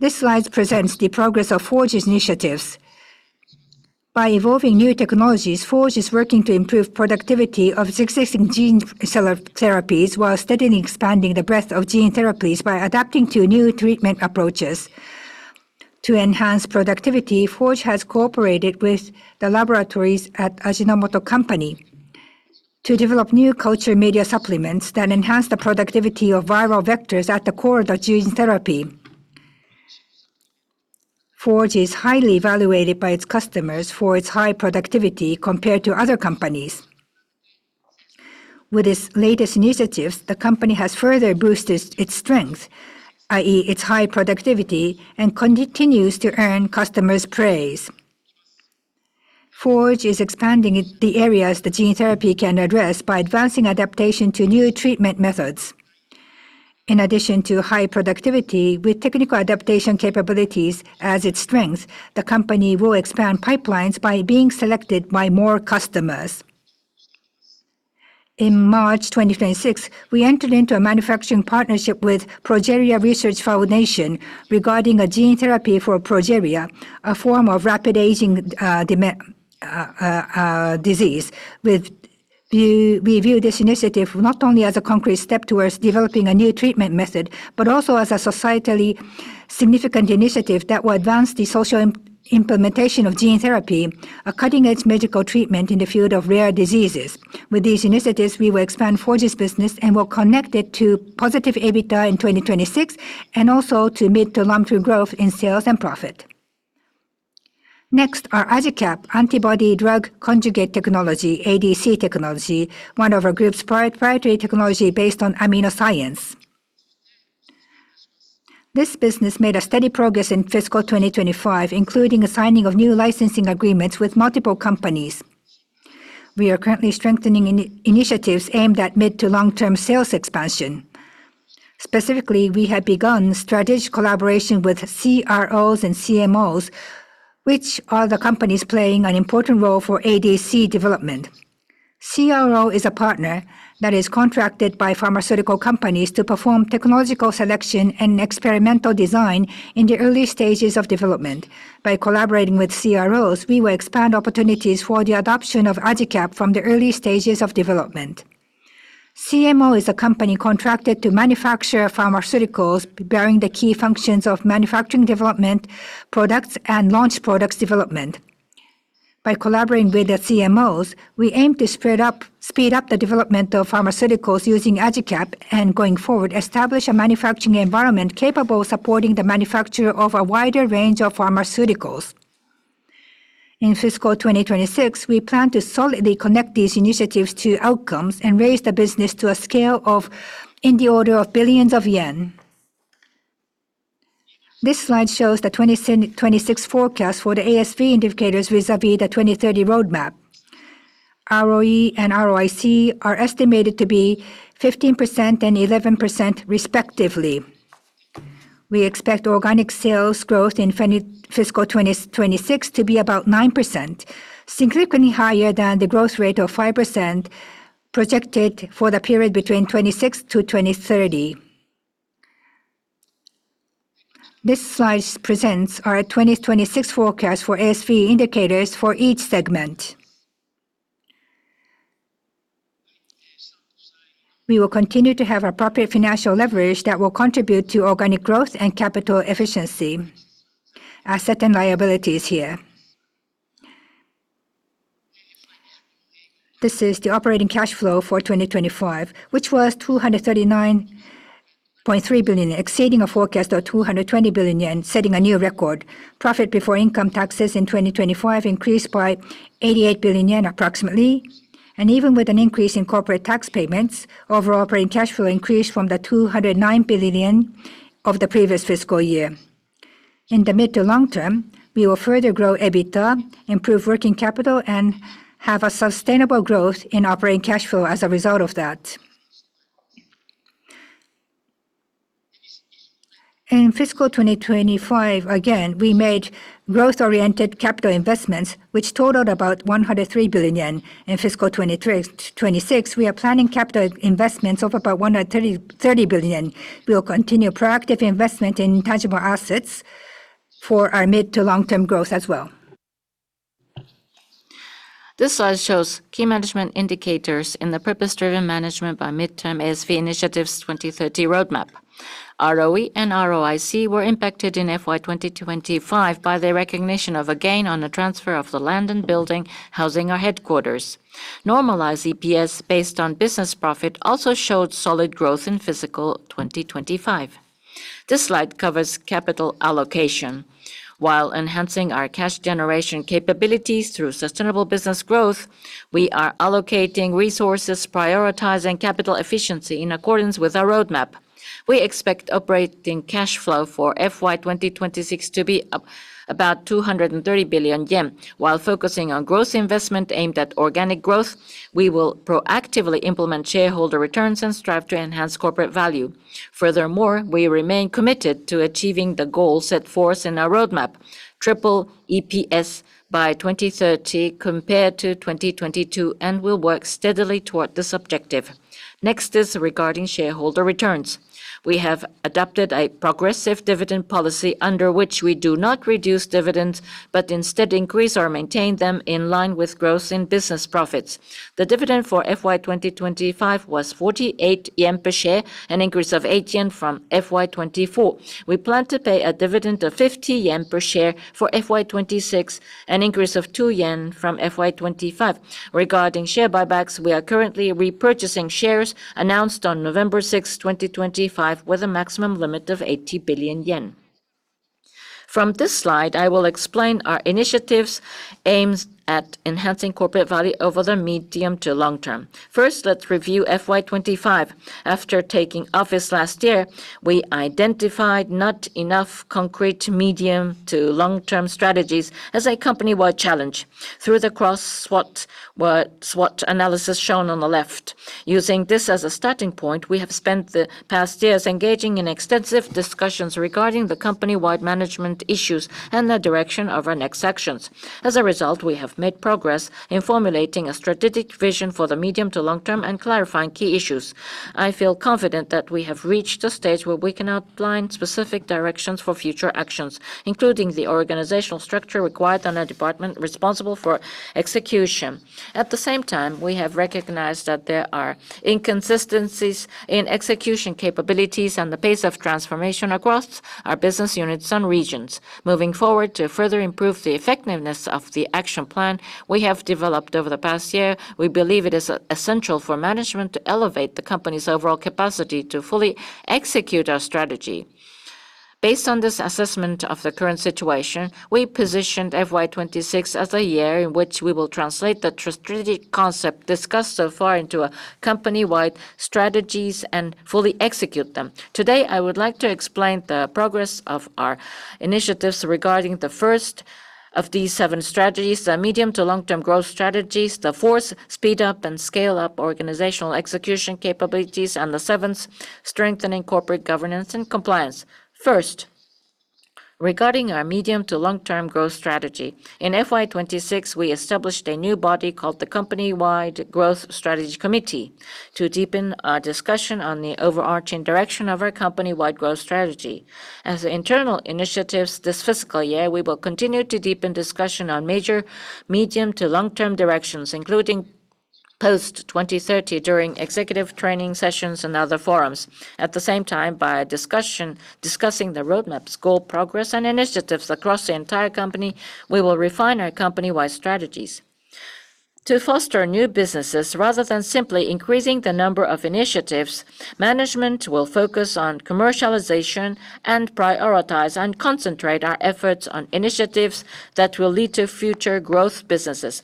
This slide presents the progress of Forge's initiatives. By evolving new technologies, Forge is working to improve productivity of existing gene therapies while steadily expanding the breadth of gene therapies by adapting to new treatment approaches. To enhance productivity, Forge has cooperated with the laboratories at Ajinomoto Company to develop new culture media supplements that enhance the productivity of viral vectors at the core of gene therapy. Forge is highly evaluated by its customers for its high productivity compared to other companies. With its latest initiatives, the company has further boosted its strength, i.e., its high productivity, and continues to earn customers' praise. Forge is expanding the areas that gene therapy can address by advancing adaptation to new treatment methods. In addition to high productivity, with technical adaptation capabilities as its strengths, the company will expand pipelines by being selected by more customers. In March 2026, we entered into a manufacturing partnership with Progeria Research Foundation regarding a gene therapy for Progeria, a form of rapid aging disease. We view this initiative not only as a concrete step towards developing a new treatment method, but also as a societally significant initiative that will advance the social implementation of gene therapy, a cutting-edge medical treatment in the field of rare diseases. With these initiatives, we will expand Forge's business and will connect it to positive EBITDA in 2026 and also to mid-to-long-term growth in sales and profit. Our AJICAP antibody-drug conjugate technology, ADC technology, one of our Group's proprietary technology based on amino science. This business made steady progress in fiscal 2025, including the signing of new licensing agreements with multiple companies. We are currently strengthening initiatives aimed at mid-to-long-term sales expansion. We have begun strategic collaboration with CROs and CMOs, which are the companies playing an important role for ADC development. CRO is a partner that is contracted by pharmaceutical companies to perform technological selection and experimental design in the early stages of development. By collaborating with CROs, we will expand opportunities for the adoption of AJICAP from the early stages of development. CMO is a company contracted to manufacture pharmaceuticals bearing the key functions of manufacturing development products and launch products development. By collaborating with the CMOs, we aim to speed up the development of pharmaceuticals using AJICAP and going forward, establish a manufacturing environment capable of supporting the manufacture of a wider range of pharmaceuticals. In fiscal 2026, we plan to solidly connect these initiatives to outcomes and raise the business to a scale of in the order of billions of yen. This slide shows the 2026 forecast for the ASV indicators vis-à-vis the 2030 roadmap. ROE and ROIC are estimated to be 15% and 11% respectively. We expect organic sales growth in fiscal 2026 to be about 9%, significantly higher than the growth rate of 5% projected for the period between 2026 to 2030. This slide presents our 2026 forecast for ASV indicators for each segment. We will continue to have appropriate financial leverage that will contribute to organic growth and capital efficiency. Our current liability is here. This is the operating cash flow for 2025, which was 239.3 billion, exceeding a forecast of 220 billion yen, setting a new record. Profit before income taxes in 2025 increased by 88 billion yen approximately. Even with an increase in corporate tax payments, overall operating cash flow increased from the 209 billion of the previous fiscal year. In the mid to long term, we will further grow EBITDA, improve working capital, and have a sustainable growth in operating cash flow as a result of that. In fiscal 2025, again, we made growth-oriented capital investments, which totaled about 103 billion yen. In fiscal 2023-2026, we are planning capital investments of about 130 billion yen. We will continue proactive investment in intangible assets for our mid to long-term growth as well. This slide shows key management indicators in the purpose-driven management by mid-term ASV initiatives 2030 roadmap. ROE and ROIC were impacted in FY 2025 by the recognition of a gain on the transfer of the land and building housing our headquarters. Normalized EPS based on business profit also showed solid growth in fiscal 2025. This slide covers capital allocation. While enhancing our cash generation capabilities through sustainable business growth, we are allocating resources prioritizing capital efficiency in accordance with our roadmap. We expect operating cash flow for FY 2026 to be about 230 billion yen. While focusing on growth investment aimed at organic growth, we will proactively implement shareholder returns and strive to enhance corporate value. Furthermore, we remain committed to achieving the goal set forth in our roadmap, triple EPS by 2030 compared to 2022, and will work steadily toward this objective. Next is regarding shareholder returns. We have adopted a progressive dividend policy under which we do not reduce dividends, but instead increase or maintain them in line with growth in business profits. The dividend for FY 2025 was 48 yen per share, an increase of 8 yen from FY 2024. We plan to pay a dividend of 50 yen per share for FY 2026, an increase of 2 yen from FY 2025. Regarding share buybacks, we are currently repurchasing shares announced on November 6th, 2025, with a maximum limit of 80 billion yen. From this slide, I will explain our initiatives aimed at enhancing corporate value over the medium to long term. First, let's review FY 2025. After taking office last year, we identified not enough concrete medium to long-term strategies as a company-wide challenge through the cross-SWOT analysis shown on the left. Using this as a starting point, we have spent the past years engaging in extensive discussions regarding the company-wide management issues and the direction of our next actions. As a result, we have made progress in formulating a strategic vision for the medium to long term and clarifying key issues. I feel confident that we have reached a stage where we can outline specific directions for future actions, including the organizational structure required and a department responsible for execution. At the same time, we have recognized that there are inconsistencies in execution capabilities and the pace of transformation across our business units and regions. Moving forward, to further improve the effectiveness of the action plan we have developed over the past year, we believe it is essential for management to elevate the company's overall capacity to fully execute our strategy. Based on this assessment of the current situation, we positioned FY 2026 as a year in which we will translate the strategic concept discussed so far into a company-wide strategies and fully execute them. Today, I would like to explain the progress of our initiatives regarding the first of these seven strategies, the medium to long-term growth strategies, the fourth, speed up and scale up organizational execution capabilities, and the seventh, strengthening corporate governance and compliance. First, regarding our medium to long-term growth strategy. In FY 2026, we established a new body called the Company-Wide Growth Strategy Committee to deepen our discussion on the overarching direction of our company-wide growth strategy. As internal initiatives this fiscal year, we will continue to deepen discussion on major medium to long-term directions, including Post 2030 during executive training sessions and other forums. At the same time, by discussing the roadmap's goal progress and initiatives across the entire company, we will refine our company-wide strategies. To foster new businesses rather than simply increasing the number of initiatives, management will focus on commercialization and prioritize and concentrate our efforts on initiatives that will lead to future growth businesses.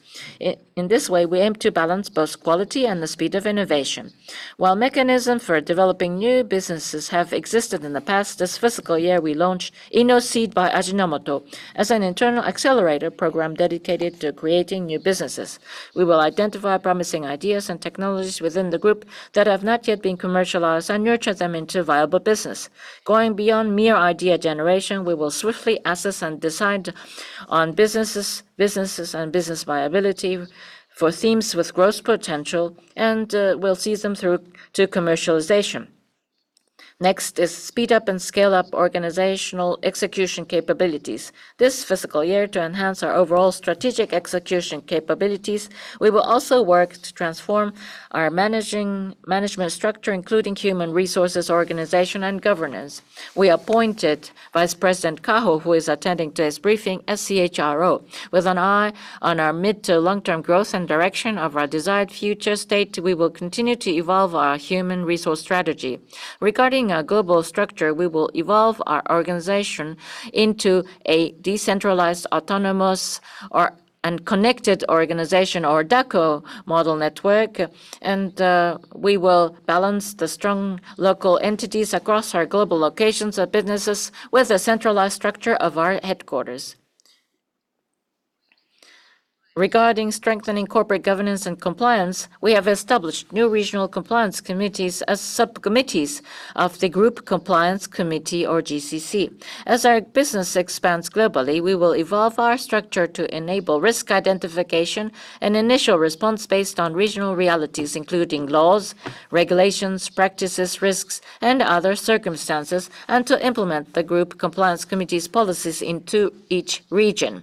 In this way, we aim to balance both quality and the speed of innovation. While mechanism for developing new businesses have existed in the past, this fiscal year we launched InnoSeed by Ajinomoto as an internal accelerator program dedicated to creating new businesses. We will identify promising ideas and technologies within the group that have not yet been commercialized and nurture them into viable business. Going beyond mere idea generation, we will swiftly assess and decide on businesses and business viability for themes with growth potential, we'll see them through to commercialization. Next is speed up and scale up organizational execution capabilities. This fiscal year, to enhance our overall strategic execution capabilities, we will also work to transform our management structure, including human resources, organization, and governance. We appointed Vice President Kaho, who is attending today's briefing, as CHRO. With an eye on our mid to long-term growth and direction of our desired future state, we will continue to evolve our human resource strategy. Regarding our global structure, we will evolve our organization into a decentralized, autonomous and connected organization, or DECO model network, and we will balance the strong local entities across our global locations of businesses with a centralized structure of our headquarters. Regarding strengthening corporate governance and compliance, we have established new regional compliance committees as sub-committees of the Group Compliance Committee, or GCC. As our business expands globally, we will evolve our structure to enable risk identification and initial response based on regional realities, including laws, regulations, practices, risks, and other circumstances, and to implement the Group Compliance Committee's policies into each region.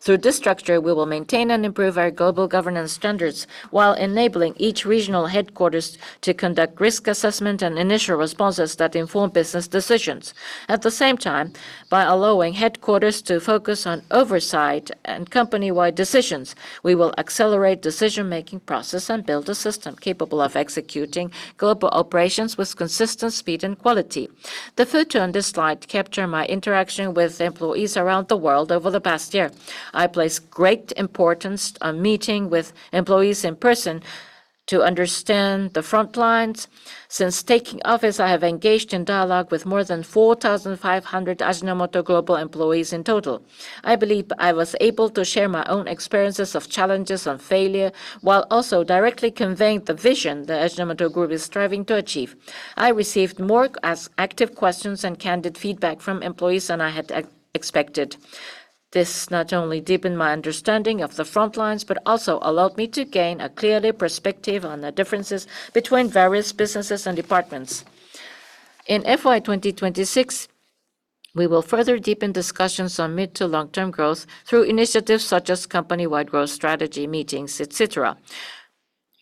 Through this structure, we will maintain and improve our global governance standards while enabling each regional headquarters to conduct risk assessment and initial responses that inform business decisions. At the same time, by allowing headquarters to focus on oversight and company-wide decisions, we will accelerate decision-making process and build a system capable of executing global operations with consistent speed and quality. The photo on this slide capture my interaction with employees around the world over the past year. I place great importance on meeting with employees in person to understand the front lines. Since taking office, I have engaged in dialogue with more than 4,500 Ajinomoto global employees in total. I believe I was able to share my own experiences of challenges and failure, while also directly conveying the vision the Ajinomoto Group is striving to achieve. I received more active questions and candid feedback from employees than I had expected. This not only deepened my understanding of the front lines, but also allowed me to gain a clearer perspective on the differences between various businesses and departments. In FY 2026, we will further deepen discussions on mid to long-term growth through initiatives such as company-wide growth strategy meetings, et cetera.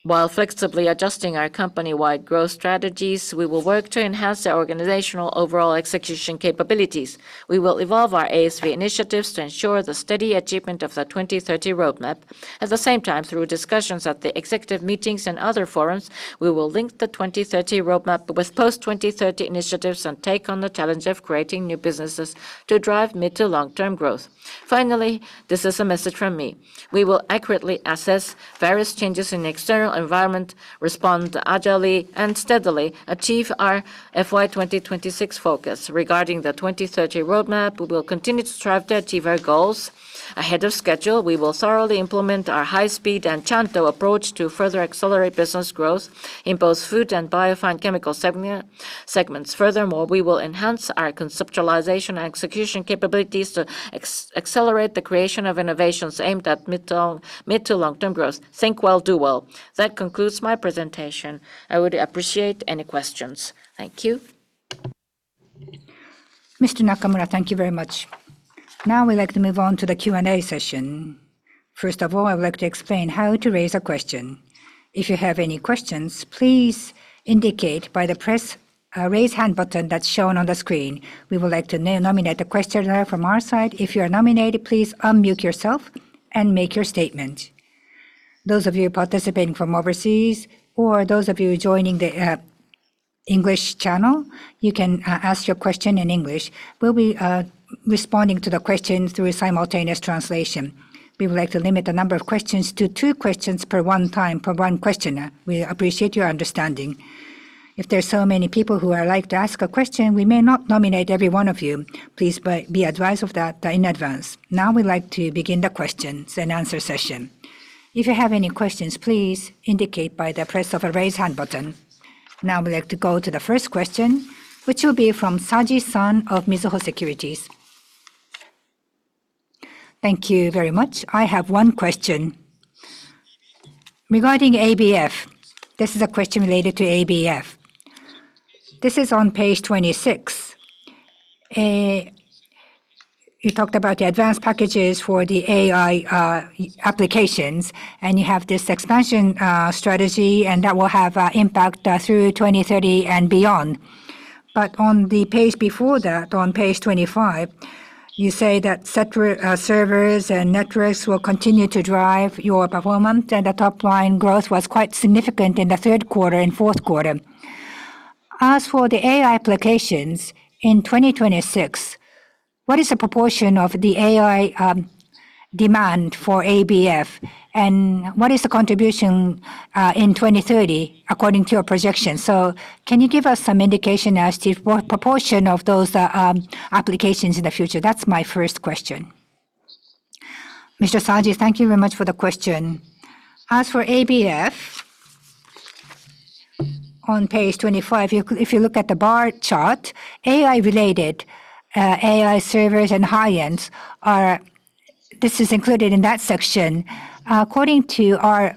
While flexibly adjusting our company-wide growth strategies, we will work to enhance the organizational overall execution capabilities. We will evolve our ASV initiatives to ensure the steady achievement of the 2030 roadmap. At the same time, through discussions at the executive meetings and other forums, we will link the 2030 roadmap with post 2030 initiatives and take on the challenge of creating new businesses to drive mid to long-term growth. Finally, this is a message from me. We will accurately assess various changes in the external environment, respond agilely, and steadily achieve our FY 2026 focus. Regarding the 2030 roadmap, we will continue to strive to achieve our goals ahead of schedule. We will thoroughly implement our high speed and Chanto approach to further accelerate business growth in both food and Bio & Fine Chemicals segment. Furthermore, we will enhance our conceptualization and execution capabilities to accelerate the creation of innovations aimed at mid to long-term growth. Think well. Do well. That concludes my presentation. I would appreciate any questions. Thank you. Mr. Nakamura, thank you very much. We'd like to move on to the Q&A session. I would like to explain how to raise a question. If you have any questions, please indicate by the press, raise hand button that's shown on the screen. We would like to nominate a questioner from our side. If you are nominated, please unmute yourself and make your statement. Those of you participating from overseas or those of you joining the English channel, you can ask your question in English. We'll be responding to the questions through simultaneous translation. We would like to limit the number of questions to two questions per one time per one questioner. We appreciate your understanding. If there's so many people who would like to ask a question, we may not nominate every one of you. Please be advised of that in advance. Now we'd like to begin the questions and answer session. If you have any questions, please indicate by the press of a raise hand button. Now we would like to go to the first question, which will be from Saji-san of Mizuho Securities. Thank you very much. I have one question. Regarding ABF, this is a question related to ABF. This is on page 26. You talked about the advanced packages for the AI applications, and you have this expansion strategy, and that will have impact through 2030 and beyond. On the page before that, on page 25, you say that servers and networks will continue to drive your performance, and the top line growth was quite significant in the third quarter and fourth quarter. As for the AI applications in 2026, what is the proportion of the AI demand for ABF, and what is the contribution in 2030 according to your projection? Can you give us some indication as to what proportion of those applications in the future? That's my first question. Mr. Saji, thank you very much for the question. As for ABF, on page 25, if you look at the bar chart, AI-related AI servers and high-ends. This is included in that section. According to our,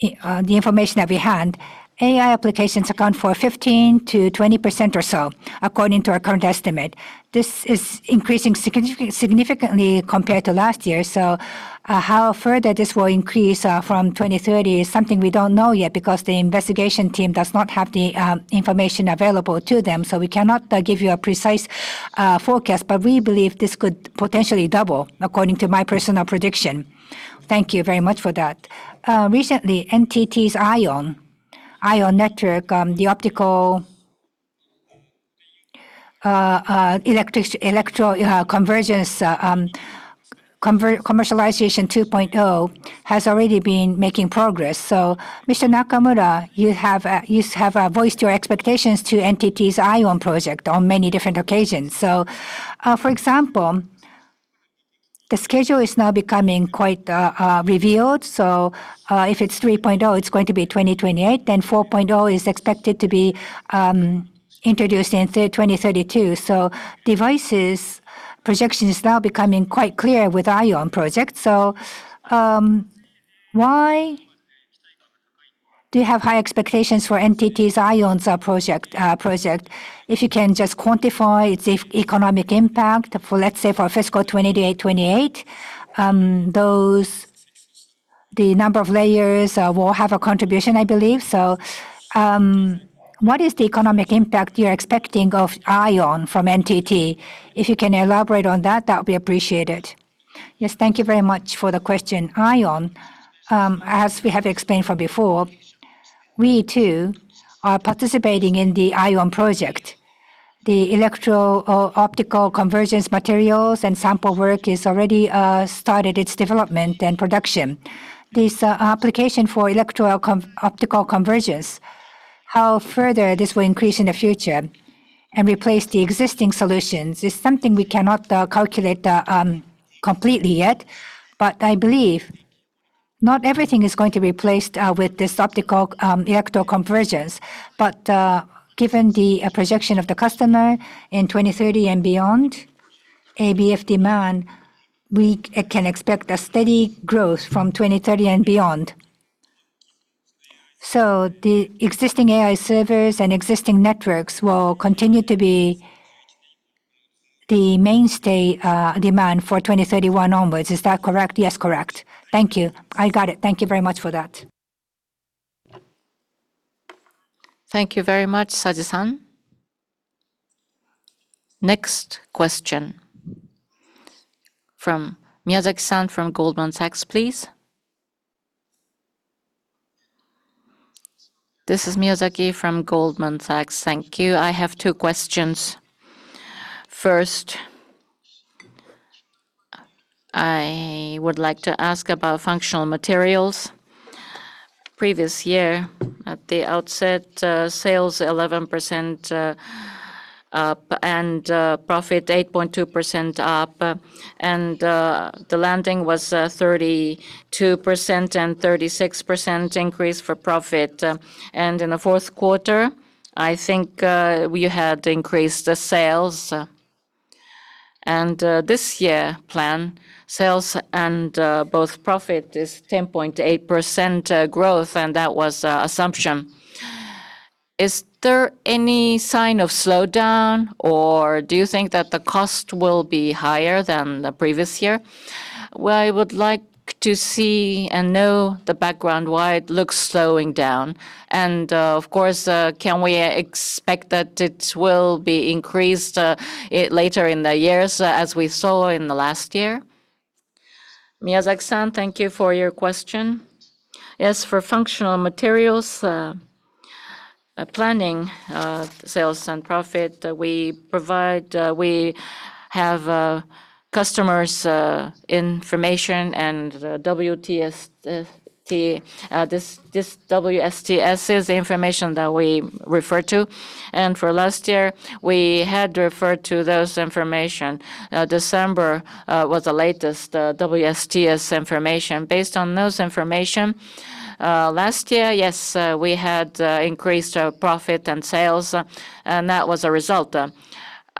the information that we had, AI applications account for 15%-20% or so according to our current estimate. This is increasing significantly compared to last year. How further this will increase from 2030 is something we don't know yet because the investigation team does not have the information available to them. We cannot give you a precise forecast. We believe this could potentially double, according to my personal prediction. Thank you very much for that. Recently, NTT's IOWN network, the optical electro convergence commercialization 2.0 has already been making progress. Mr. Nakamura, you have voiced your expectations to NTT's IOWN project on many different occasions. For example, the schedule is now becoming quite revealed. If it's 3.0, it's going to be 2028, then 4.0 is expected to be introduced in 2032. Devices projection is now becoming quite clear with IOWN project. Why do you have high expectations for NTT's IOWN's project? If you can just quantify its economic impact for, let's say, for fiscal 2028, The number of layers will have a contribution, I believe. What is the economic impact you're expecting of IOWN from NTT? If you can elaborate on that would be appreciated. Yes, thank you very much for the question. IOWN, as we have explained from before, we too are participating in the IOWN project. The electro optical convergence materials and sample work is already started its development and production. This application for electro optical convergence, how further this will increase in the future and replace the existing solutions is something we cannot calculate completely yet. I believe not everything is going to be replaced with this optical electro convergence. Given the projection of the customer in 2030 and beyond ABF demand, we can expect a steady growth from 2030 and beyond. The existing AI servers and existing networks will continue to be the mainstay demand for 2031 onwards. Is that correct? Yes, correct. Thank you. I got it. Thank you very much for that. Thank you very much, Saji-san. Next question from Miyazaki-san from Goldman Sachs, please. This is Miyazaki from Goldman Sachs. Thank you. I have two questions. First, I would like to ask about functional materials. Previous year, at the outset, sales 11% up and profit 8.2% up. The landing was 32% and 36% increase for profit. In the fourth quarter, I think, we had increased the sales. This year plan, sales and both profit is 10.8% growth, and that was assumption. Is there any sign of slowdown or do you think that the cost will be higher than the previous year? Well, I would like to see and know the background why it looks slowing down. Of course, can we expect that it will be increased later in the years, as we saw in the last year? Miyazaki-san, thank you for your question. Yes, for functional materials, planning, sales and profit, we provide, we have customers' information and WSTS. This WSTS is the information that we refer to. For last year, we had referred to those information. December was the latest WSTS information. Based on those information, last year, yes, we had increased our profit and sales, and that was a result.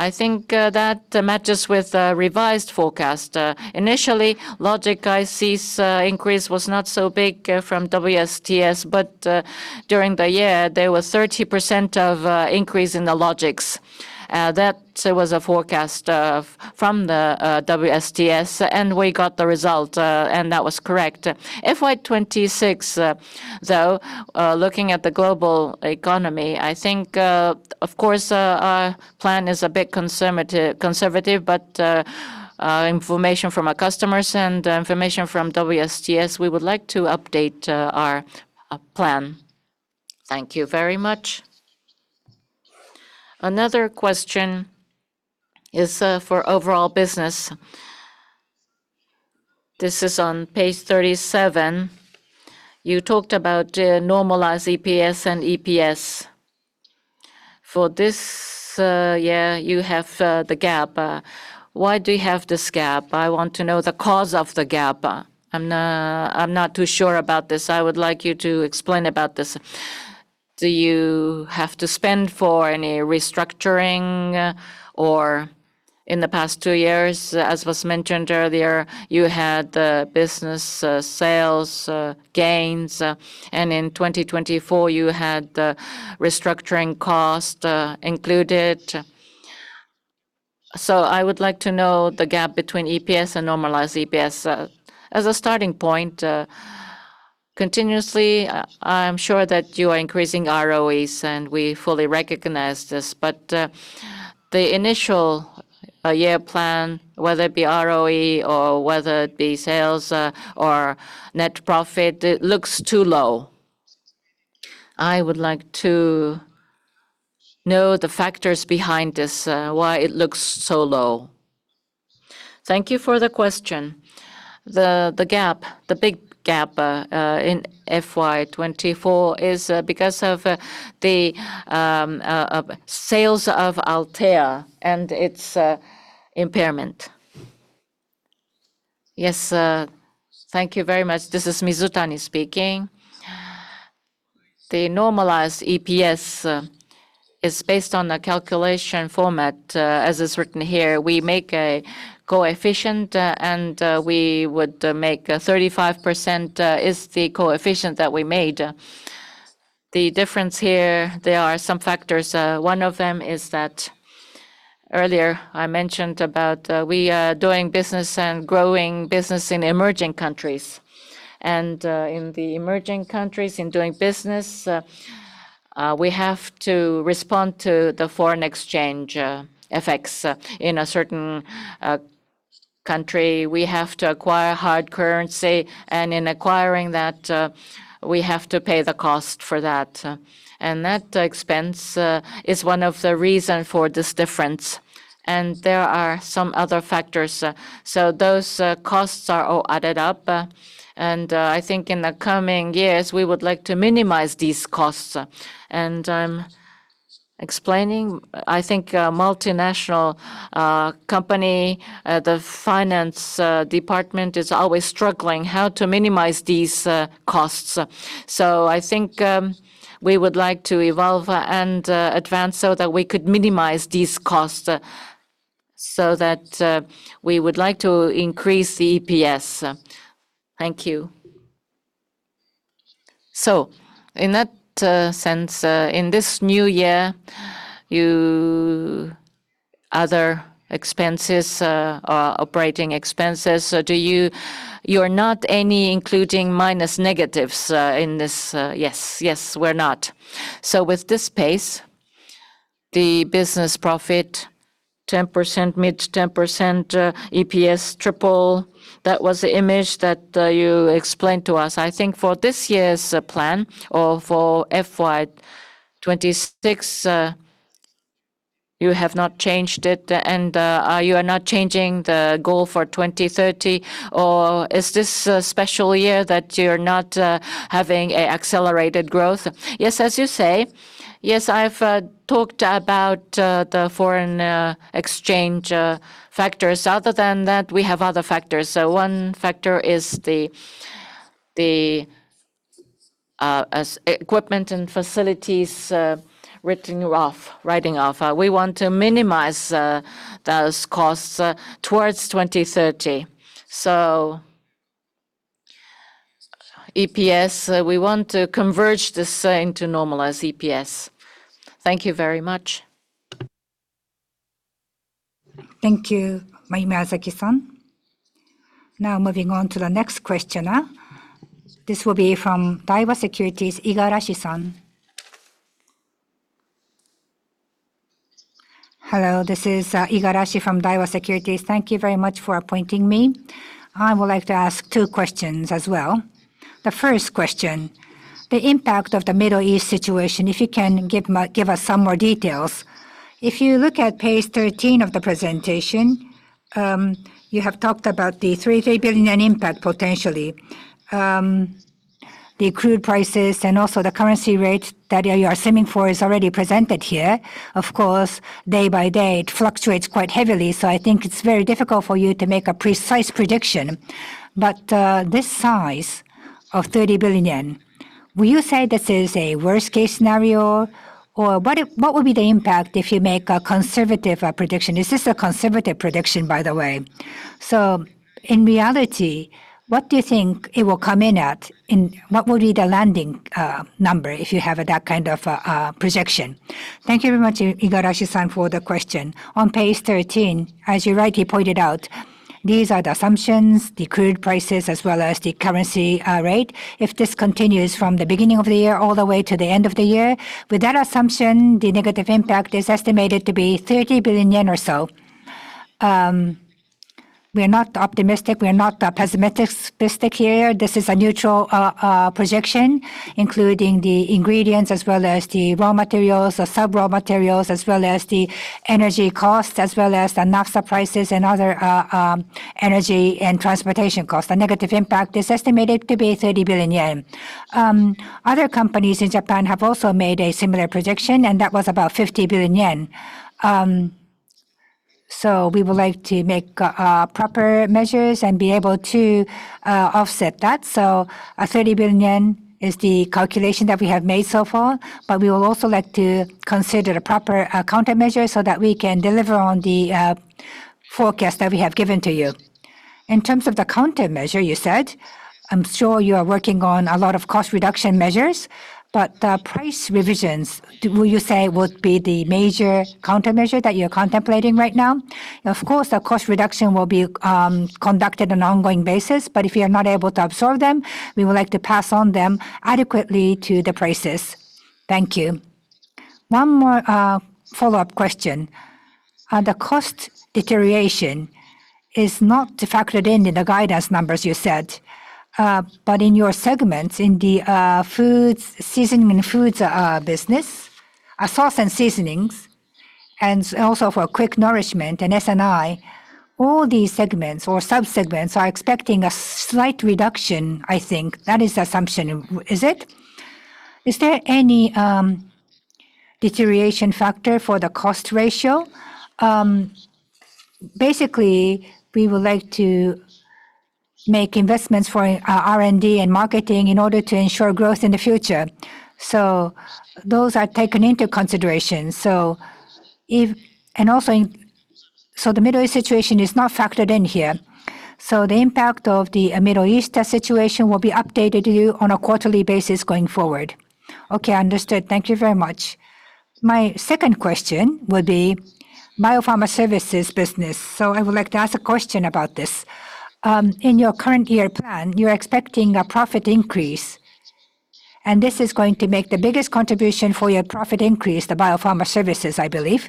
I think that matches with the revised forecast. Initially, logic ICs increase was not so big from WSTS. During the year, there was 30% of increase in the logics. That, so was a forecast from the WSTS, and we got the result. And that was correct. FY 2026, though, looking at the global economy, I think, of course, our plan is a bit conservative. Information from our customers and information from WSTS, we would like to update our plan. Thank you very much. Another question is for overall business. This is on page 37. You talked about normalized EPS and EPS. For this, yeah, you have the gap. Why do you have this gap? I want to know the cause of the gap. I'm not too sure about this. I would like you to explain about this. Do you have to spend for any restructuring or in the past two years, as was mentioned earlier, you had the business sales gains. In 2024, you had the restructuring cost included. I would like to know the gap between EPS and normalized EPS as a starting point. Continuously, I'm sure that you are increasing ROEs, and we fully recognize this. The initial year plan, whether it be ROE or whether it be sales or net profit, it looks too low. I would like to know the factors behind this, why it looks so low. Thank you for the question. The gap, the big gap in FY 2024 is because of the sales of Althea and its impairment. Thank you very much. This is Mizutani speaking. The normalized EPS is based on the calculation format as is written here. We make a coefficient, and we would make 35% is the coefficient that we made. The difference here, there are some factors. One of them is that earlier I mentioned about we are doing business and growing business in emerging countries. In the emerging countries in doing business, we have to respond to the foreign exchange effects. In a certain country, we have to acquire hard currency, and in acquiring that, we have to pay the cost for that. That expense is one of the reason for this difference, and there are some other factors. Those costs are all added up. I think in the coming years, we would like to minimize these costs. I'm explaining, I think, multinational company, the finance department is always struggling how to minimize these costs. I think we would like to evolve and advance so that we could minimize these costs, so that we would like to increase the EPS. Thank you. In that sense, in this new year, Other expenses are operating expenses. You're not any including minus negatives in this? Yes. Yes, we're not. With this pace, the business profit 10%, mid to 10%, EPS triple. That was the image that you explained to us. I think for this year's plan or for FY 2026, you have not changed it. Are you are not changing the goal for 2030, or is this a special year that you're not having accelerated growth? Yes, as you say. Yes, I've talked about the foreign exchange factors. Other than that, we have other factors. One factor is the as equipment and facilities written off, writing off. We want to minimize those costs towards 2030. EPS, we want to converge this thing to normalize EPS. Thank you very much. Thank you, Miyazaki-san. Now moving on to the next questioner. This will be from Daiwa Securities, Igarashi-san. Hello, this is Igarashi from Daiwa Securities. Thank you very much for appointing me. I would like to ask two questions as well. The first question, the impact of the Middle East situation, if you can give us some more details. If you look at page 13 of the presentation, you have talked about the 3 billion impact potentially. The crude prices and also the currency rate that you are assuming for is already presented here. Of course, day by day it fluctuates quite heavily, so I think it's very difficult for you to make a precise prediction. This size of 30 billion yen, will you say this is a worst case scenario? What, what would be the impact if you make a conservative prediction? Is this a conservative prediction, by the way? In reality, what do you think it will come in at, and what will be the landing number if you have that kind of projection? Thank you very much, Igarashi-san, for the question. On page 13, as you rightly pointed out, these are the assumptions, the crude prices, as well as the currency rate. If this continues from the beginning of the year all the way to the end of the year, with that assumption, the negative impact is estimated to be 30 billion yen or so. We are not optimistic, we are not pessimistic here. This is a neutral projection, including the ingredients as well as the raw materials, the sub-raw materials, as well as the energy costs, as well as the naphtha prices and other energy and transportation costs. The negative impact is estimated to be 30 billion yen. Other companies in Japan have also made a similar projection, and that was about 50 billion yen. We would like to make proper measures and be able to offset that. A 30 billion yen is the calculation that we have made so far. We will also like to consider the proper countermeasure so that we can deliver on the forecast that we have given to you. In terms of the countermeasure you said, I'm sure you are working on a lot of cost reduction measures, but the price revisions will you say would be the major countermeasure that you're contemplating right now? Of course, the cost reduction will be conducted on ongoing basis, but if you are not able to absorb them, we would like to pass on them adequately to the prices. Thank you. One more follow-up question. The cost deterioration is not factored in in the guidance numbers you said. In your segments, in the foods, seasoning and foods business, sauce and seasonings, and also for quick nourishment and S&I, all these segments or sub-segments are expecting a slight reduction, I think. That is the assumption. Is it? Is there any deterioration factor for the cost ratio? Basically, we would like to make investments for R&D and marketing in order to ensure growth in the future. Those are taken into consideration. The Middle East situation is not factored in here. The impact of the Middle East situation will be updated to you on a quarterly basis going forward. Okay, understood. Thank you very much. My second question will be Bio-Pharma Services business. I would like to ask a question about this. In your current year plan, you're expecting a profit increase, and this is going to make the biggest contribution for your profit increase, the Bio-Pharma Services, I believe.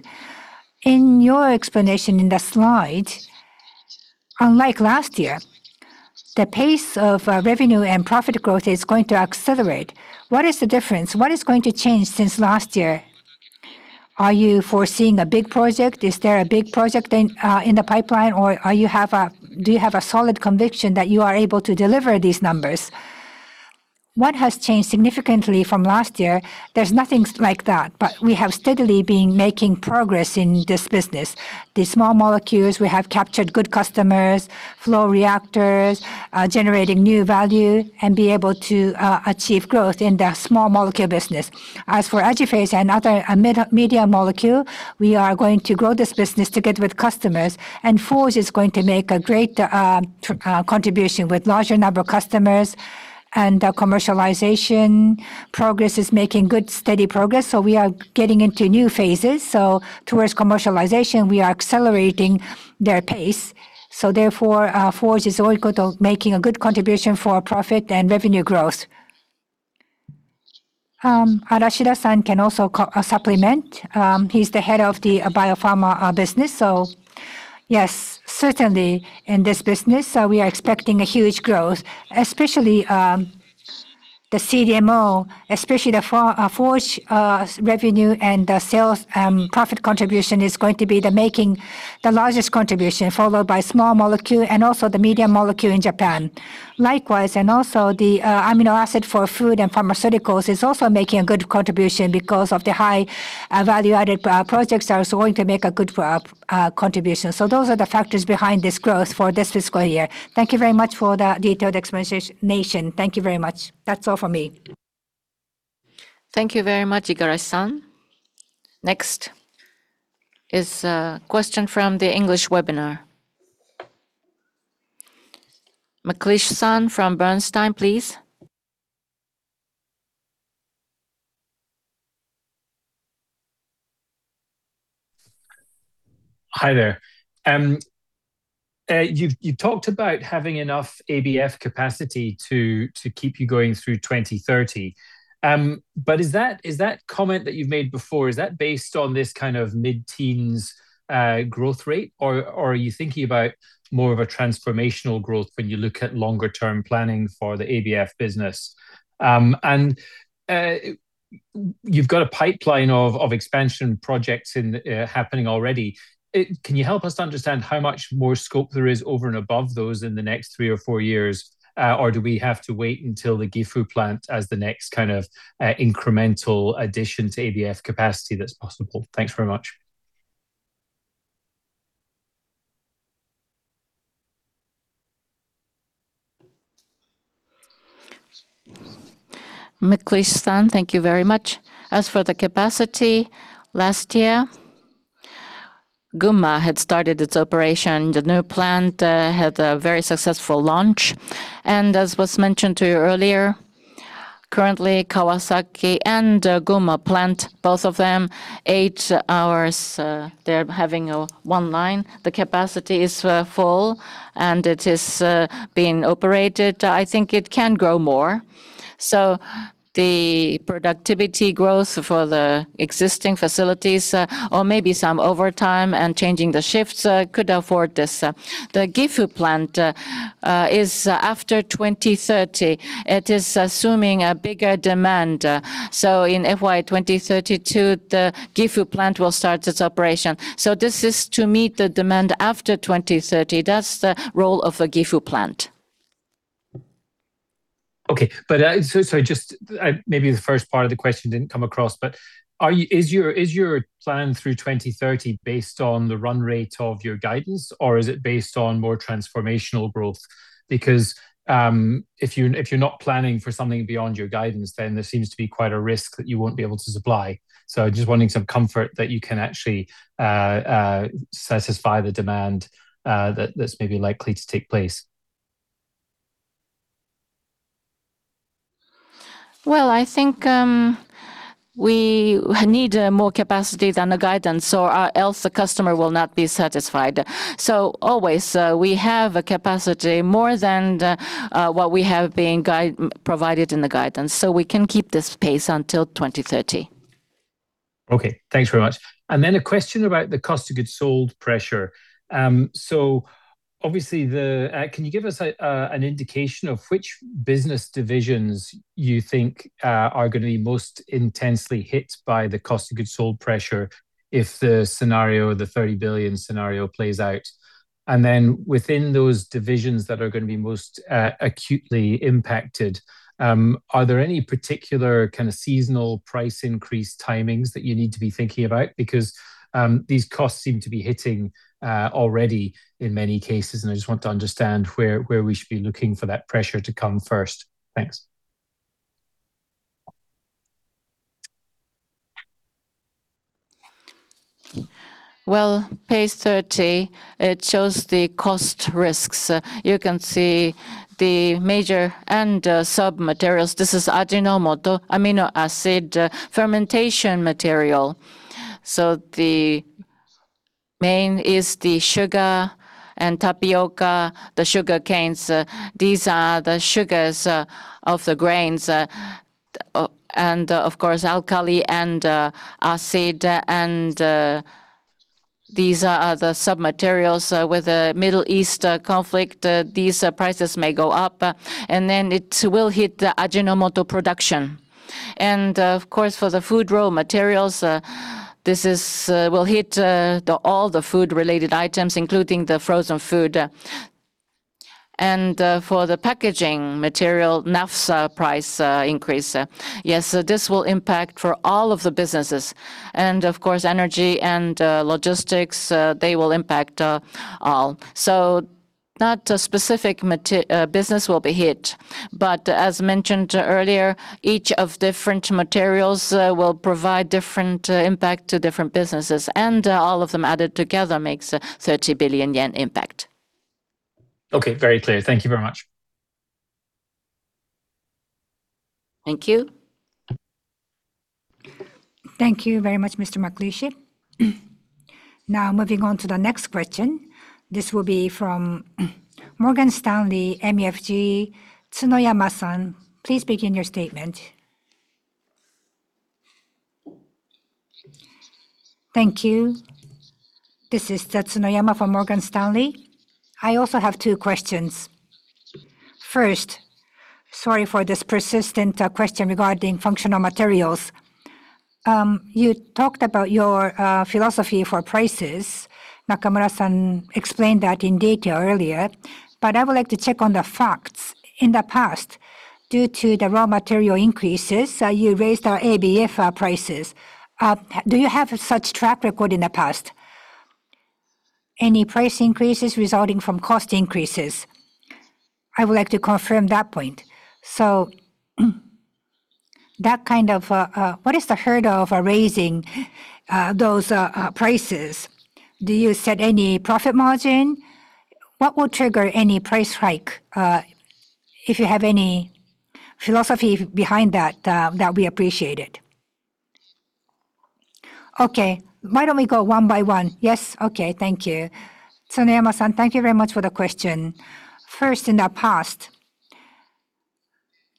In your explanation in the slide, unlike last year, the pace of revenue and profit growth is going to accelerate. What is the difference? What is going to change since last year? Are you foreseeing a big project? Is there a big project in the pipeline or do you have a solid conviction that you are able to deliver these numbers? What has changed significantly from last year, there's nothing like that, but we have steadily been making progress in this business. The small molecules, we have captured good customers, flow reactors, generating new value and be able to achieve growth in the small molecule business. As for AJIPHASE and other med-medium molecule, we are going to grow this business together with customers. Forge is going to make a great contribution with larger number of customers and commercialization progress is making good steady progress, we are getting into new phases. Towards commercialization, we are accelerating their pace. Forge is all good of making a good contribution for profit and revenue growth. Arashida-san can also supplement. He's the head of the Bio-Pharma business. Certainly in this business, we are expecting a huge growth, especially the CDMO, especially the Forge revenue and the sales profit contribution is going to be the making the largest contribution, followed by small molecule and also the medium molecule in Japan. Amino acid for food and pharmaceuticals is also making a good contribution because of the high value-added projects are also going to make a good contribution. Those are the factors behind this growth for this fiscal year. Thank you very much for the detailed explanation. Thank you very much. That's all for me. Thank you very much, Igarashi-san. Next is a question from the English webinar. McLeish-san from Bernstein, please. Hi there. You've talked about having enough ABF capacity to keep you going through 2030. Is that comment that you've made before, is that based on this kind of mid-teens growth rate? Are you thinking about more of a transformational growth when you look at longer term planning for the ABF business? You've got a pipeline of expansion projects happening already. Can you help us to understand how much more scope there is over and above those in the next three or four years? Do we have to wait until the Gifu Plant as the next kind of incremental addition to ABF capacity that's possible? Thanks very much. McLeish-san, thank you very much. As for the capacity, last year, Gunma had started its operation. The new plant had a very successful launch. As was mentioned to you earlier, currently Kawasaki and Gunma Plant, both of them eight hours, they're having 1 line. The capacity is full and it is being operated. I think it can grow more. The productivity growth for the existing facilities, or maybe some overtime and changing the shifts, could afford this. The Gifu Plant is after 2030. It is assuming a bigger demand. In FY 2032, the Gifu Plant will start its operation. This is to meet the demand after 2030. That's the role of the Gifu Plant. Okay. So just maybe the first part of the question didn't come across, but is your plan through 2030 based on the run rate of your guidance, or is it based on more transformational growth? If you're not planning for something beyond your guidance, then there seems to be quite a risk that you won't be able to supply. Just wanting some comfort that you can actually satisfy the demand that's maybe likely to take place. I think, we need more capacity than the guidance or else the customer will not be satisfied. Always, we have a capacity more than what we have been provided in the guidance. We can keep this pace until 2030. Okay. Thanks very much. A question about the cost of goods sold pressure. Obviously, can you give us an indication of which business divisions you think are gonna be most intensely hit by the cost of goods sold pressure if the scenario, the 30 billion scenario plays out? Within those divisions that are gonna be most acutely impacted, are there any particular kind of seasonal price increase timings that you need to be thinking about? Because these costs seem to be hitting already in many cases, and I just want to understand where we should be looking for that pressure to come first. Thanks. Well, page 30, it shows the cost risks. You can see the major and sub-materials. This is Ajinomoto amino acid fermentation material. The main is the sugar and tapioca, the sugar canes. These are the sugars of the grains. Of course, alkali and acid and these are the sub-materials. With the Middle East conflict, these prices may go up, then it will hit the Ajinomoto production. Of course, for the food raw materials, this will hit the all the food related items, including the frozen food. For the packaging material, naphtha price increase. Yes. This will impact for all of the businesses. Of course, energy and logistics, they will impact all. Not a specific matter, business will be hit, but as mentioned earlier, each of different materials will provide different impact to different businesses, and all of them added together makes a 30 billion yen impact. Okay. Very clear. Thank you very much. Thank you. Thank you very much, Mr. McLeish. Moving on to the next question. This will be from Morgan Stanley MUFG, Tsunoyama-san. Please begin your statement. Thank you. This is Tsunoyama from Morgan Stanley. I also have two questions. First, sorry for this persistent question regarding functional materials. You talked about your philosophy for prices. Nakamura-san explained that in detail earlier, I would like to check on the facts. In the past, due to the raw material increases, you raised our ABF prices. Do you have such track record in the past? Any price increases resulting from cost increases? I would like to confirm that point. That kind of, what is the hurdle of raising those prices? Do you set any profit margin? What will trigger any price hike? If you have any philosophy behind that we appreciate it. Okay. Why don't we go one by one? Yes. Okay. Thank you. Tsunoyama-san, thank you very much for the question. First, in the past,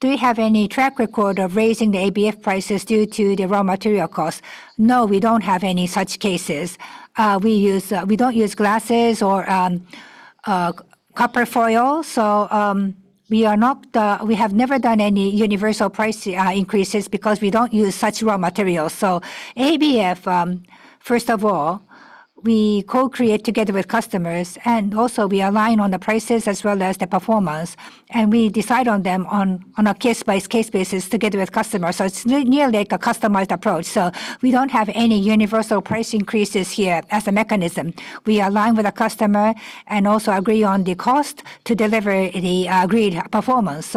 do we have any track record of raising the ABF prices due to the raw material costs? No, we don't have any such cases. We don't use glasses or copper foil. We have never done any universal price increases because we don't use such raw materials. ABF, first of all, we co-create together with customers, and also we align on the prices as well as the performance, and we decide on them on a case by case basis together with customers. It's nearly like a customized approach. We don't have any universal price increases here as a mechanism. We align with the customer and also agree on the cost to deliver the agreed performance.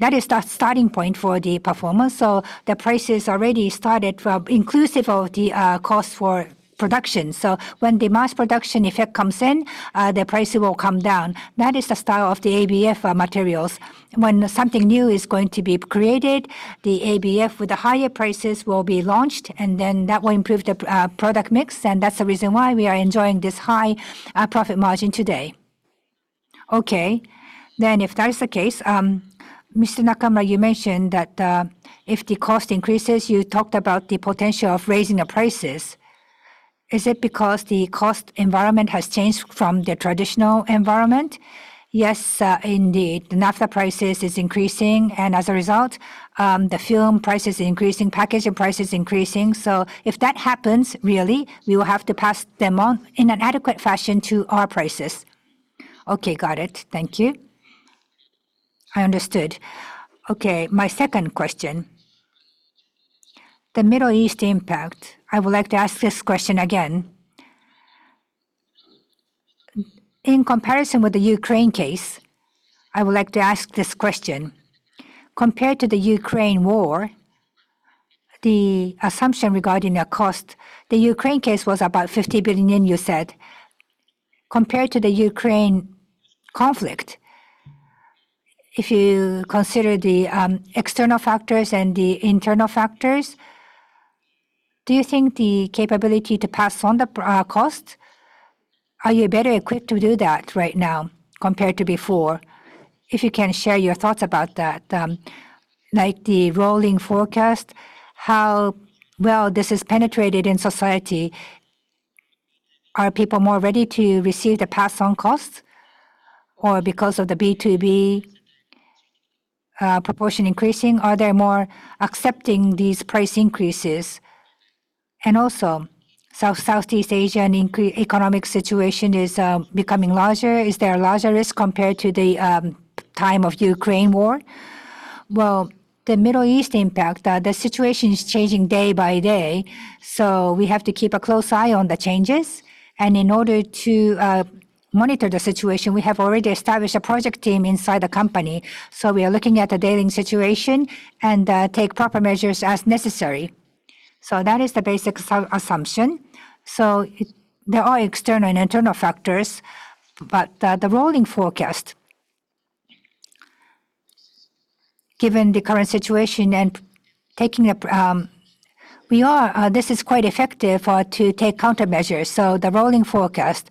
That is the starting point for the performance. The prices already started from inclusive of the cost for production. When the mass production effect comes in, the prices will come down. That is the style of the ABF materials. When something new is going to be created, the ABF with the higher prices will be launched, and then that will improve the product mix, and that's the reason why we are enjoying this high profit margin today. Okay. If that is the case, Mr. Nakamura, you mentioned that if the cost increases, you talked about the potential of raising the prices. Is it because the cost environment has changed from the traditional environment? Yes, indeed. The naphtha prices is increasing, and as a result, the film prices increasing, packaging prices increasing. If that happens, really, we will have to pass them on in an adequate fashion to our prices. Got it. Thank you. I understood. My second question. The Middle East impact, I would like to ask this question again. In comparison with the Ukraine case, I would like to ask this question. Compared to the Ukraine war, the assumption regarding the cost, the Ukraine case was about 50 billion yen, you said. Compared to the Ukraine conflict, if you consider the external factors and the internal factors, do you think the capability to pass on the cost, are you better equipped to do that right now compared to before? If you can share your thoughts about that, like the rolling forecast, how well this has penetrated in society. Are people more ready to receive the pass-on costs? Because of the B2B proportion increasing, are they more accepting these price increases? South-Southeast Asian economic situation is becoming larger. Is there a larger risk compared to the time of Ukraine war? The Middle East impact, the situation is changing day by day, so we have to keep a close eye on the changes. In order to monitor the situation, we have already established a project team inside the company. We are looking at the daily situation and take proper measures as necessary. That is the basic assumption. There are external and internal factors, but the rolling forecast, given the current situation and we are, this is quite effective to take countermeasures. The rolling forecast,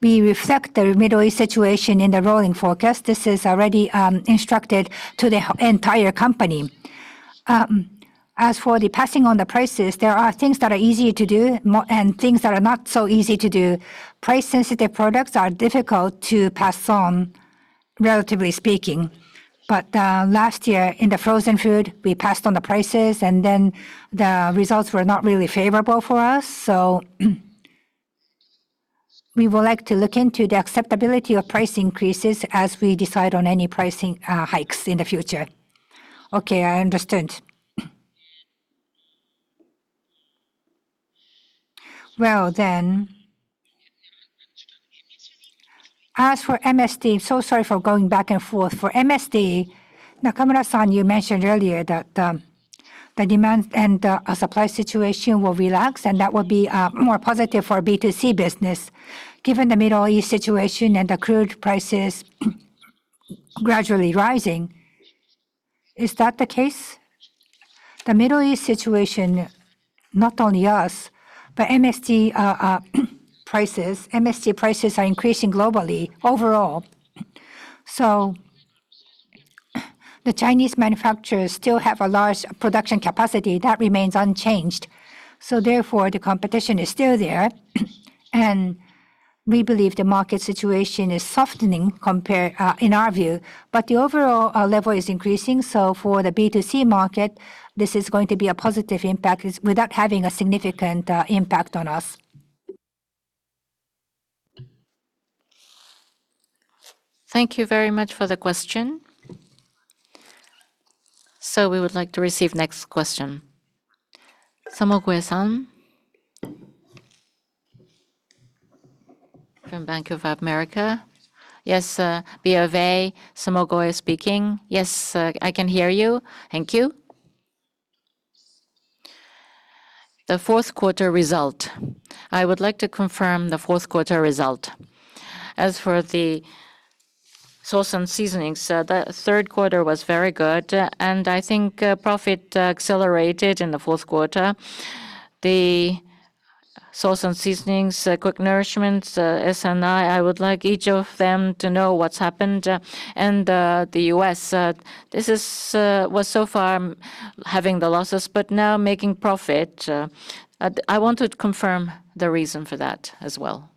we reflect the Middle East situation in the rolling forecast. This is already instructed to the entire company. As for the passing on the prices, there are things that are easy to do and things that are not so easy to do. Price-sensitive products are difficult to pass on, relatively speaking. Last year in the frozen food, we passed on the prices, the results were not really favorable for us. We would like to look into the acceptability of price increases as we decide on any pricing hikes in the future. Okay, I understand. Well, then, as for MSG, so sorry for going back and forth. For MSG, Nakamura-san, you mentioned earlier that the demand and supply situation will relax, and that will be more positive for B2C business. Given the Middle East situation and the crude prices gradually rising, is that the case? The Middle East situation, not only us, but MSG prices are increasing globally overall. The Chinese manufacturers still have a large production capacity that remains unchanged, so therefore the competition is still there. We believe the market situation is softening compare in our view. The overall level is increasing, so for the B2C market, this is going to be a positive impact is without having a significant impact on us. Thank you very much for the question. We would like to receive next question. Sumoge-san from Bank of America. Yes, BofA, Sumoge speaking. Yes, I can hear you. Thank you. The fourth quarter result. I would like to confirm the fourth quarter result. As for the sauce and seasonings, the third quarter was very good, and I think, profit accelerated in the fourth quarter. The sauce and seasonings, quick nourishments, S&I would like each of them to know what's happened. The U.S. this is was so far having the losses, but now making profit. I want to confirm the reason for that as well.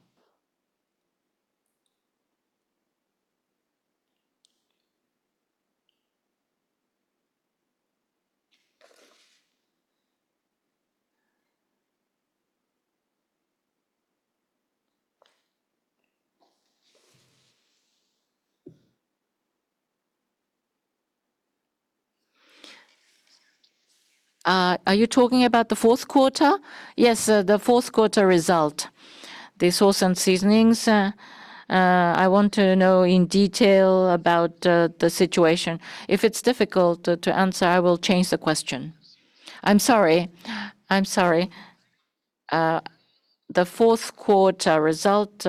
Are you talking about the fourth quarter? Yes, the fourth quarter result. The sauce and seasonings, I want to know in detail about the situation. If it's difficult to answer, I will change the question. I'm sorry. The fourth quarter result,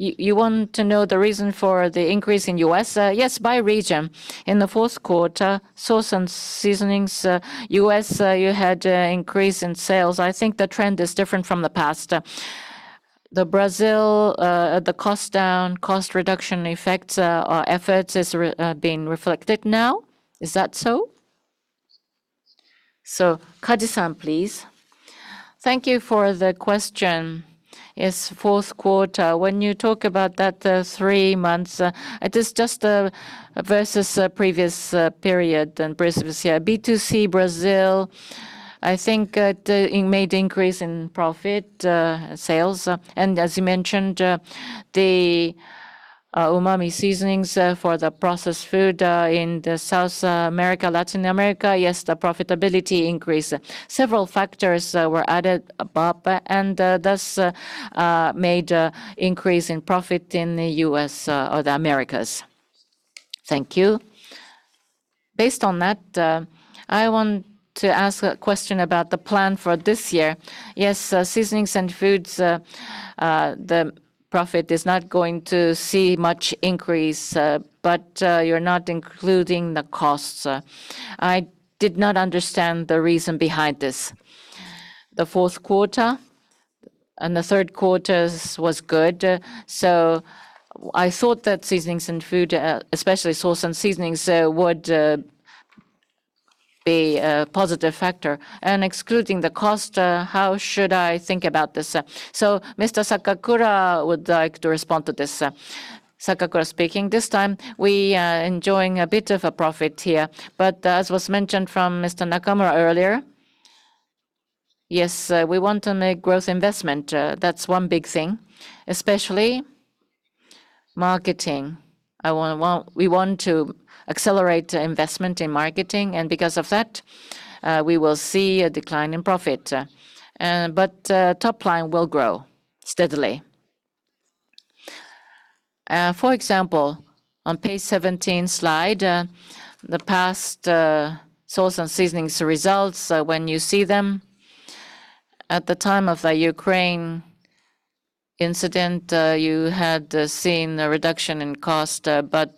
you want to know the reason for the increase in U.S.? Yes, by region. In the fourth quarter, sauce and seasonings, U.S., you had a increase in sales. I think the trend is different from the past. The Brazil, the cost down, cost reduction effects, or efforts is being reflected now. Is that so? Kaji-san, please. Thank you for the question. Yes, fourth quarter, when you talk about that, three months, it is just versus a previous period and previous year. B2C Brazil, I think, it made increase in profit, sales. As you mentioned, the umami seasonings, for the processed food, in the South, America, Latin America, yes, the profitability increased. Several factors were added above and, thus, made a increase in profit in the U.S., or the Americas. Thank you. Based on that, I want to ask a question about the plan for this year. Yes, seasonings and foods, the profit is not going to see much increase, you're not including the costs. I did not understand the reason behind this. The fourth quarter and the third quarters was good, I thought that seasonings and food, especially sauce and seasonings, would be a positive factor. Excluding the cost, how should I think about this? Mr. Sakakura would like to respond to this. Sakakura speaking. This time we are enjoying a bit of a profit here, but as was mentioned from Mr. Nakamura earlier, yes, we want to make growth investment. That's one big thing, especially marketing. We want to accelerate investment in marketing, and because of that, we will see a decline in profit. Top line will grow steadily. For example, on page 17 slide, the past sauce and seasonings results, when you see them, at the time of the Ukraine incident, you had seen a reduction in cost, but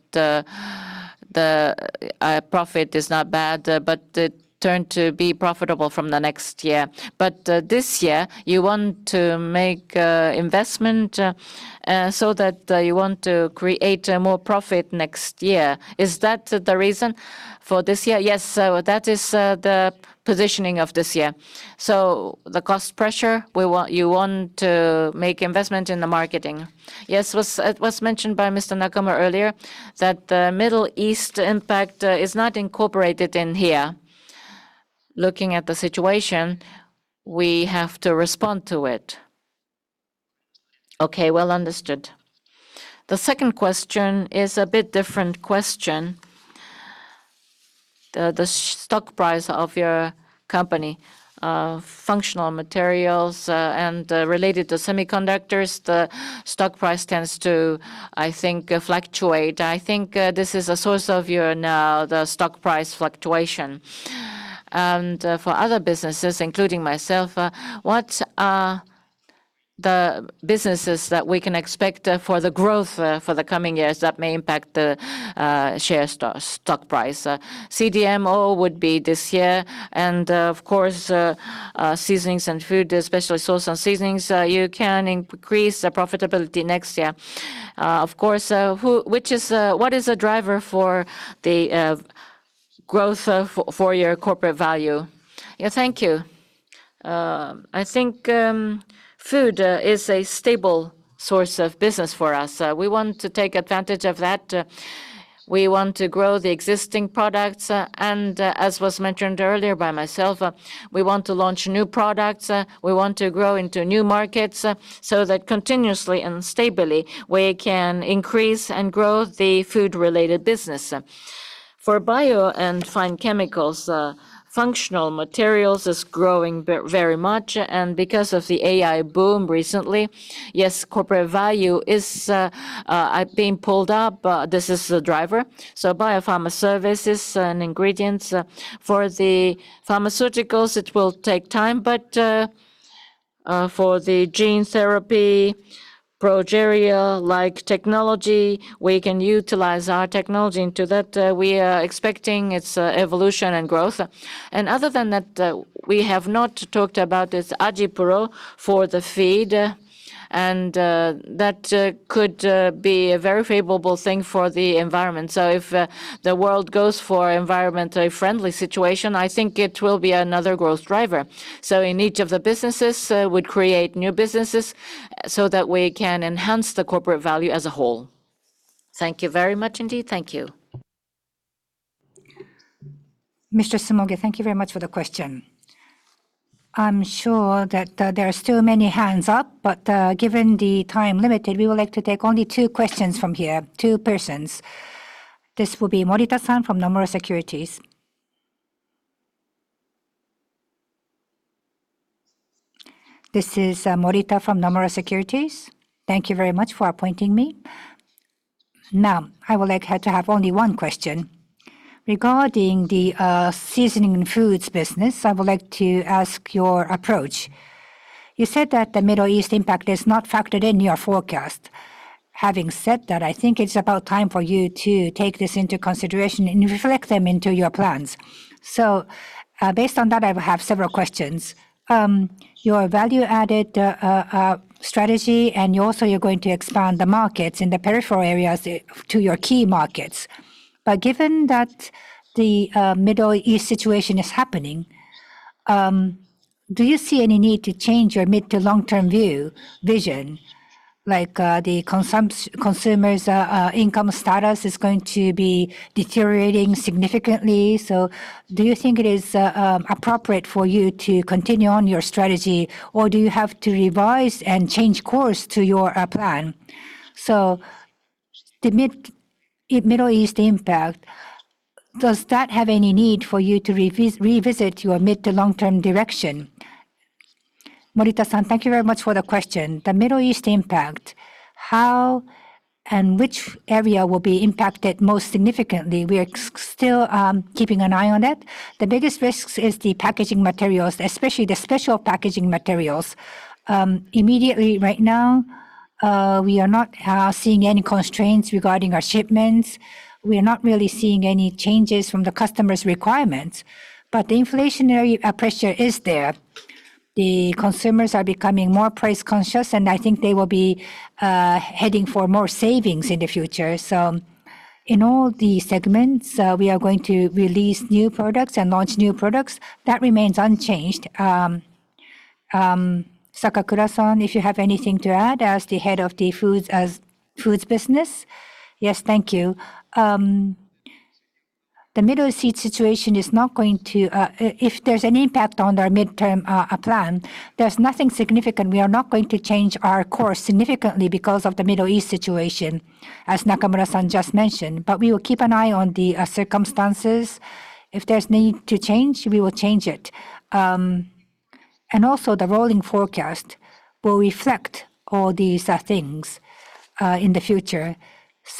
the profit is not bad, but it turned to be profitable from the next year. This year you want to make investment so that you want to create more profit next year. Is that the reason for this year? Yes. That is the positioning of this year. The cost pressure, you want to make investment in the marketing. Yes. It was mentioned by Shigeo Nakamura earlier that the Middle East impact is not incorporated in here. Looking at the situation, we have to respond to it. Okay, well understood. The second question is a bit different question. The stock price of your company, functional materials, and related to semiconductors, the stock price tends to, I think, fluctuate. I think this is a source of your the stock price fluctuation. For other businesses, including myself, what are the businesses that we can expect, for the growth, for the coming years that may impact the share stock price? CDMO would be this year and, of course, seasonings and food, especially sauce and seasonings, you can increase the profitability next year. Of course, who, which is, what is the driver for the, growth of, for your corporate value? Yeah, thank you. I think, food, is a stable source of business for us. We want to take advantage of that. We want to grow the existing products, and, as was mentioned earlier by myself, we want to launch new products. We want to grow into new markets, continuously and stably we can increase and grow the food-related business. For Bio & Fine Chemicals, functional materials is growing very much, because of the AI boom recently, yes, corporate value is being pulled up. This is the driver. Bio-Pharma Services and Ingredients. For the pharmaceuticals, it will take time, but for the gene therapy, Progeria-like technology, we can utilize our technology into that. We are expecting its evolution and growth. Other than that, we have not talked about this AjiPro-L for the feed, that could be a very favorable thing for the environment. If the world goes for environmentally friendly situation, I think it will be another growth driver. In each of the businesses, we create new businesses so that we can enhance the corporate value as a whole. Thank you very much indeed. Thank you. Mr. Sumoge, thank you very much for the question. I'm sure that there are still many hands up, but given the time limited, we would like to take only two questions from here. Two persons. This will be Makoto Morita from Nomura Securities. This is Morita from Nomura Securities. Thank you very much for appointing me. I would like to have only one question. Regarding the seasoning and foods business, I would like to ask your approach. You said that the Middle East impact is not factored in your forecast. Having said that, I think it's about time for you to take this into consideration and reflect them into your plans. Based on that, I have several questions. Your value added strategy and you also you're going to expand the markets in the peripheral areas to your key markets. Given that the Middle East situation is happening, do you see any need to change your mid to long-term view vision? The consumer's income status is going to be deteriorating significantly. Do you think it is appropriate for you to continue on your strategy or do you have to revise and change course to your plan? The Middle East impact, does that have any need for you to revisit your mid to long-term direction? Morita-san, thank you very much for the question. The Middle East impact, how and which area will be impacted most significantly, we are still keeping an eye on it. The biggest risks is the packaging materials, especially the special packaging materials. Immediately right now, we are not seeing any constraints regarding our shipments. We are not really seeing any changes from the customers' requirements. The inflationary pressure is there. The consumers are becoming more price conscious, and I think they will be heading for more savings in the future. In all the segments, we are going to release new products and launch new products. That remains unchanged. Sakakura-san, if you have anything to add as the head of the foods business. Yes. Thank you. The Middle East situation is not going to, if there's an impact on our midterm plan, there's nothing significant. We are not going to change our course significantly because of the Middle East situation, as Nakamura-san just mentioned. We will keep an eye on the circumstances. If there's need to change, we will change it. The rolling forecast will reflect all these things in the future.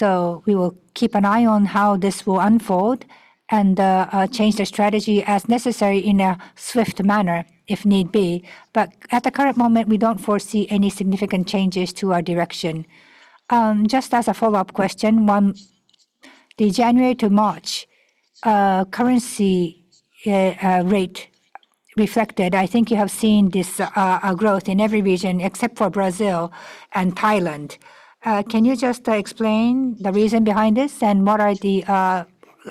We will keep an eye on how this will unfold and change the strategy as necessary in a swift manner if need be. At the current moment, we don't foresee any significant changes to our direction. Just as a follow-up question. One, the January to March currency rate reflected, I think you have seen this growth in every region except for Brazil and Thailand. Can you just explain the reason behind this and what are the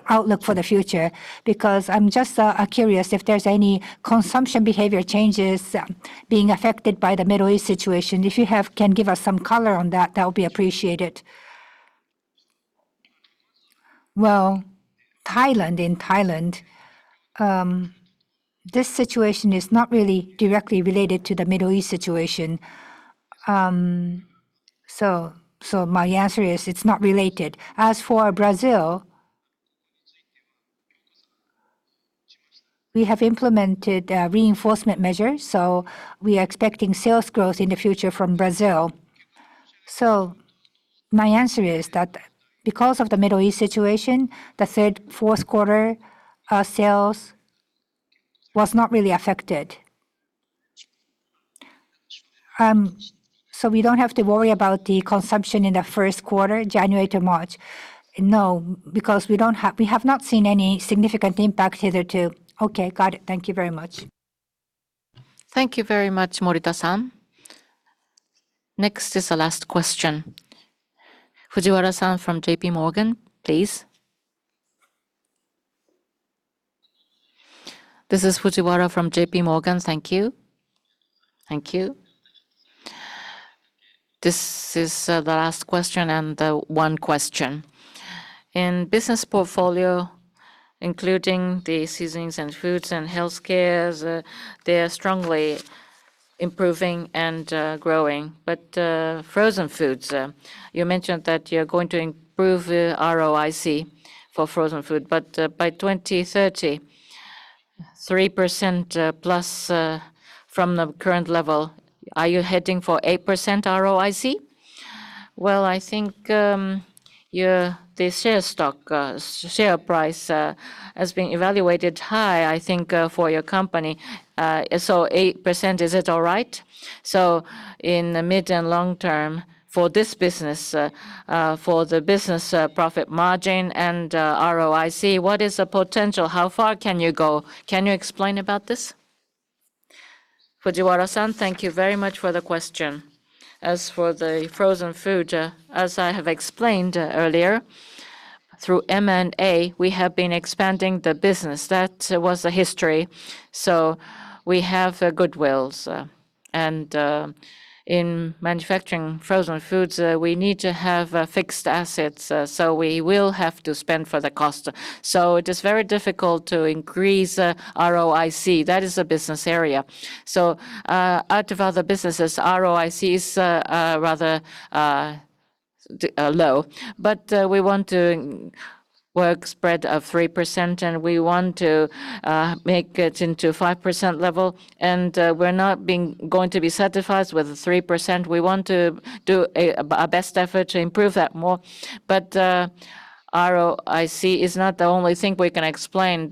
outlook for the future? I'm just curious if there's any consumption behavior changes being affected by the Middle East situation. If you can give us some color on that would be appreciated. Well, Thailand, in Thailand, this situation is not really directly related to the Middle East situation. My answer is it's not related. As for Brazil, we have implemented reinforcement measures. We are expecting sales growth in the future from Brazil. My answer is that because of the Middle East situation, the 3rd, 4th quarter sales was not really affected. We don't have to worry about the consumption in the 1st quarter, January to March? No, because we have not seen any significant impact hitherto. Okay. Got it. Thank you very much. Thank you very much, Morita-san. Next is the last question. Fujiwara-san from JPMorgan, please. This is Fujiwara from JPMorgan. Thank you. Thank you. This is the last question and 1 question. In business portfolio, including the seasonings and foods and Healthcare, they are strongly improving and growing. Frozen foods, you mentioned that you're going to improve the ROIC for frozen food, but by 2030, 3% plus from the current level. Are you heading for 8% ROIC? Well, I think your share price has been evaluated high, I think for your company. 8%, is it all right? In the mid and long term for this business, for the business profit margin and ROIC, what is the potential? How far can you go? Can you explain about this? Fujiwara-san, thank you very much for the question. As for the frozen food, as I have explained earlier, through M&A, we have been expanding the business. That was the history. We have goodwills. In manufacturing frozen foods, we need to have fixed assets, so we will have to spend for the cost. It is very difficult to increase ROIC. That is a business area. Out of other businesses, ROIC is rather low. We want to work spread of 3%, and we want to make it into 5% level, and we're not being going to be satisfied with the 3%. We want to do our best effort to improve that more. ROIC is not the only thing we can explain.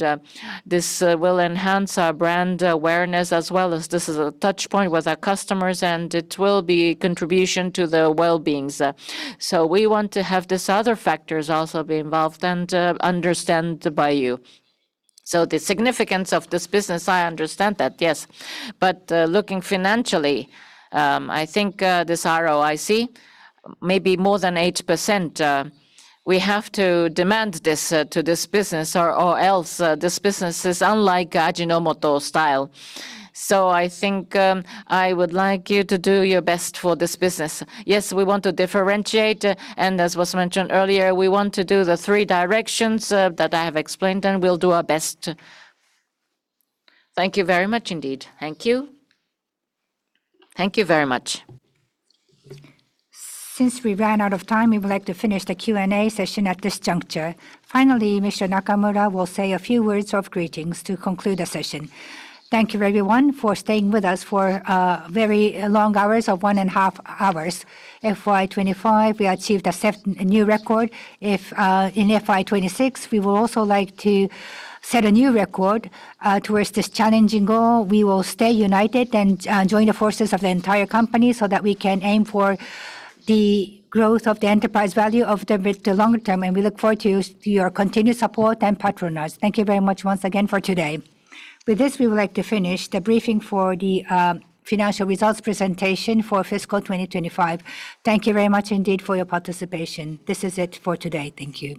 This will enhance our brand awareness as well as this is a touchpoint with our customers, and it will be contribution to the well-beings. We want to have these other factors also be involved and understand by you. The significance of this business, I understand that, yes. Looking financially, I think this ROIC may be more than 8%. We have to demand this to this business or else this business is unlike Ajinomoto style. I think I would like you to do your best for this business. Yes, we want to differentiate, and as was mentioned earlier, we want to do the 3 directions that I have explained, and we will do our best. Thank you very much indeed. Thank you. Thank you very much. Since we ran out of time, we would like to finish the Q&A session at this juncture. Finally, Mr. Nakamura will say a few words of greetings to conclude the session. Thank you everyone for staying with us for very long hours of one and a half hours. FY 2025, we achieved a new record. If in FY 2026, we will also like to set a new record towards this challenging goal. We will stay united and join the forces of the entire company so that we can aim for the growth of the enterprise value of the longer term, and we look forward to your continued support and patronage. Thank you very much once again for today. With this, we would like to finish the briefing for the financial results presentation for fiscal 2025. Thank you very much indeed for your participation. This is it for today. Thank you.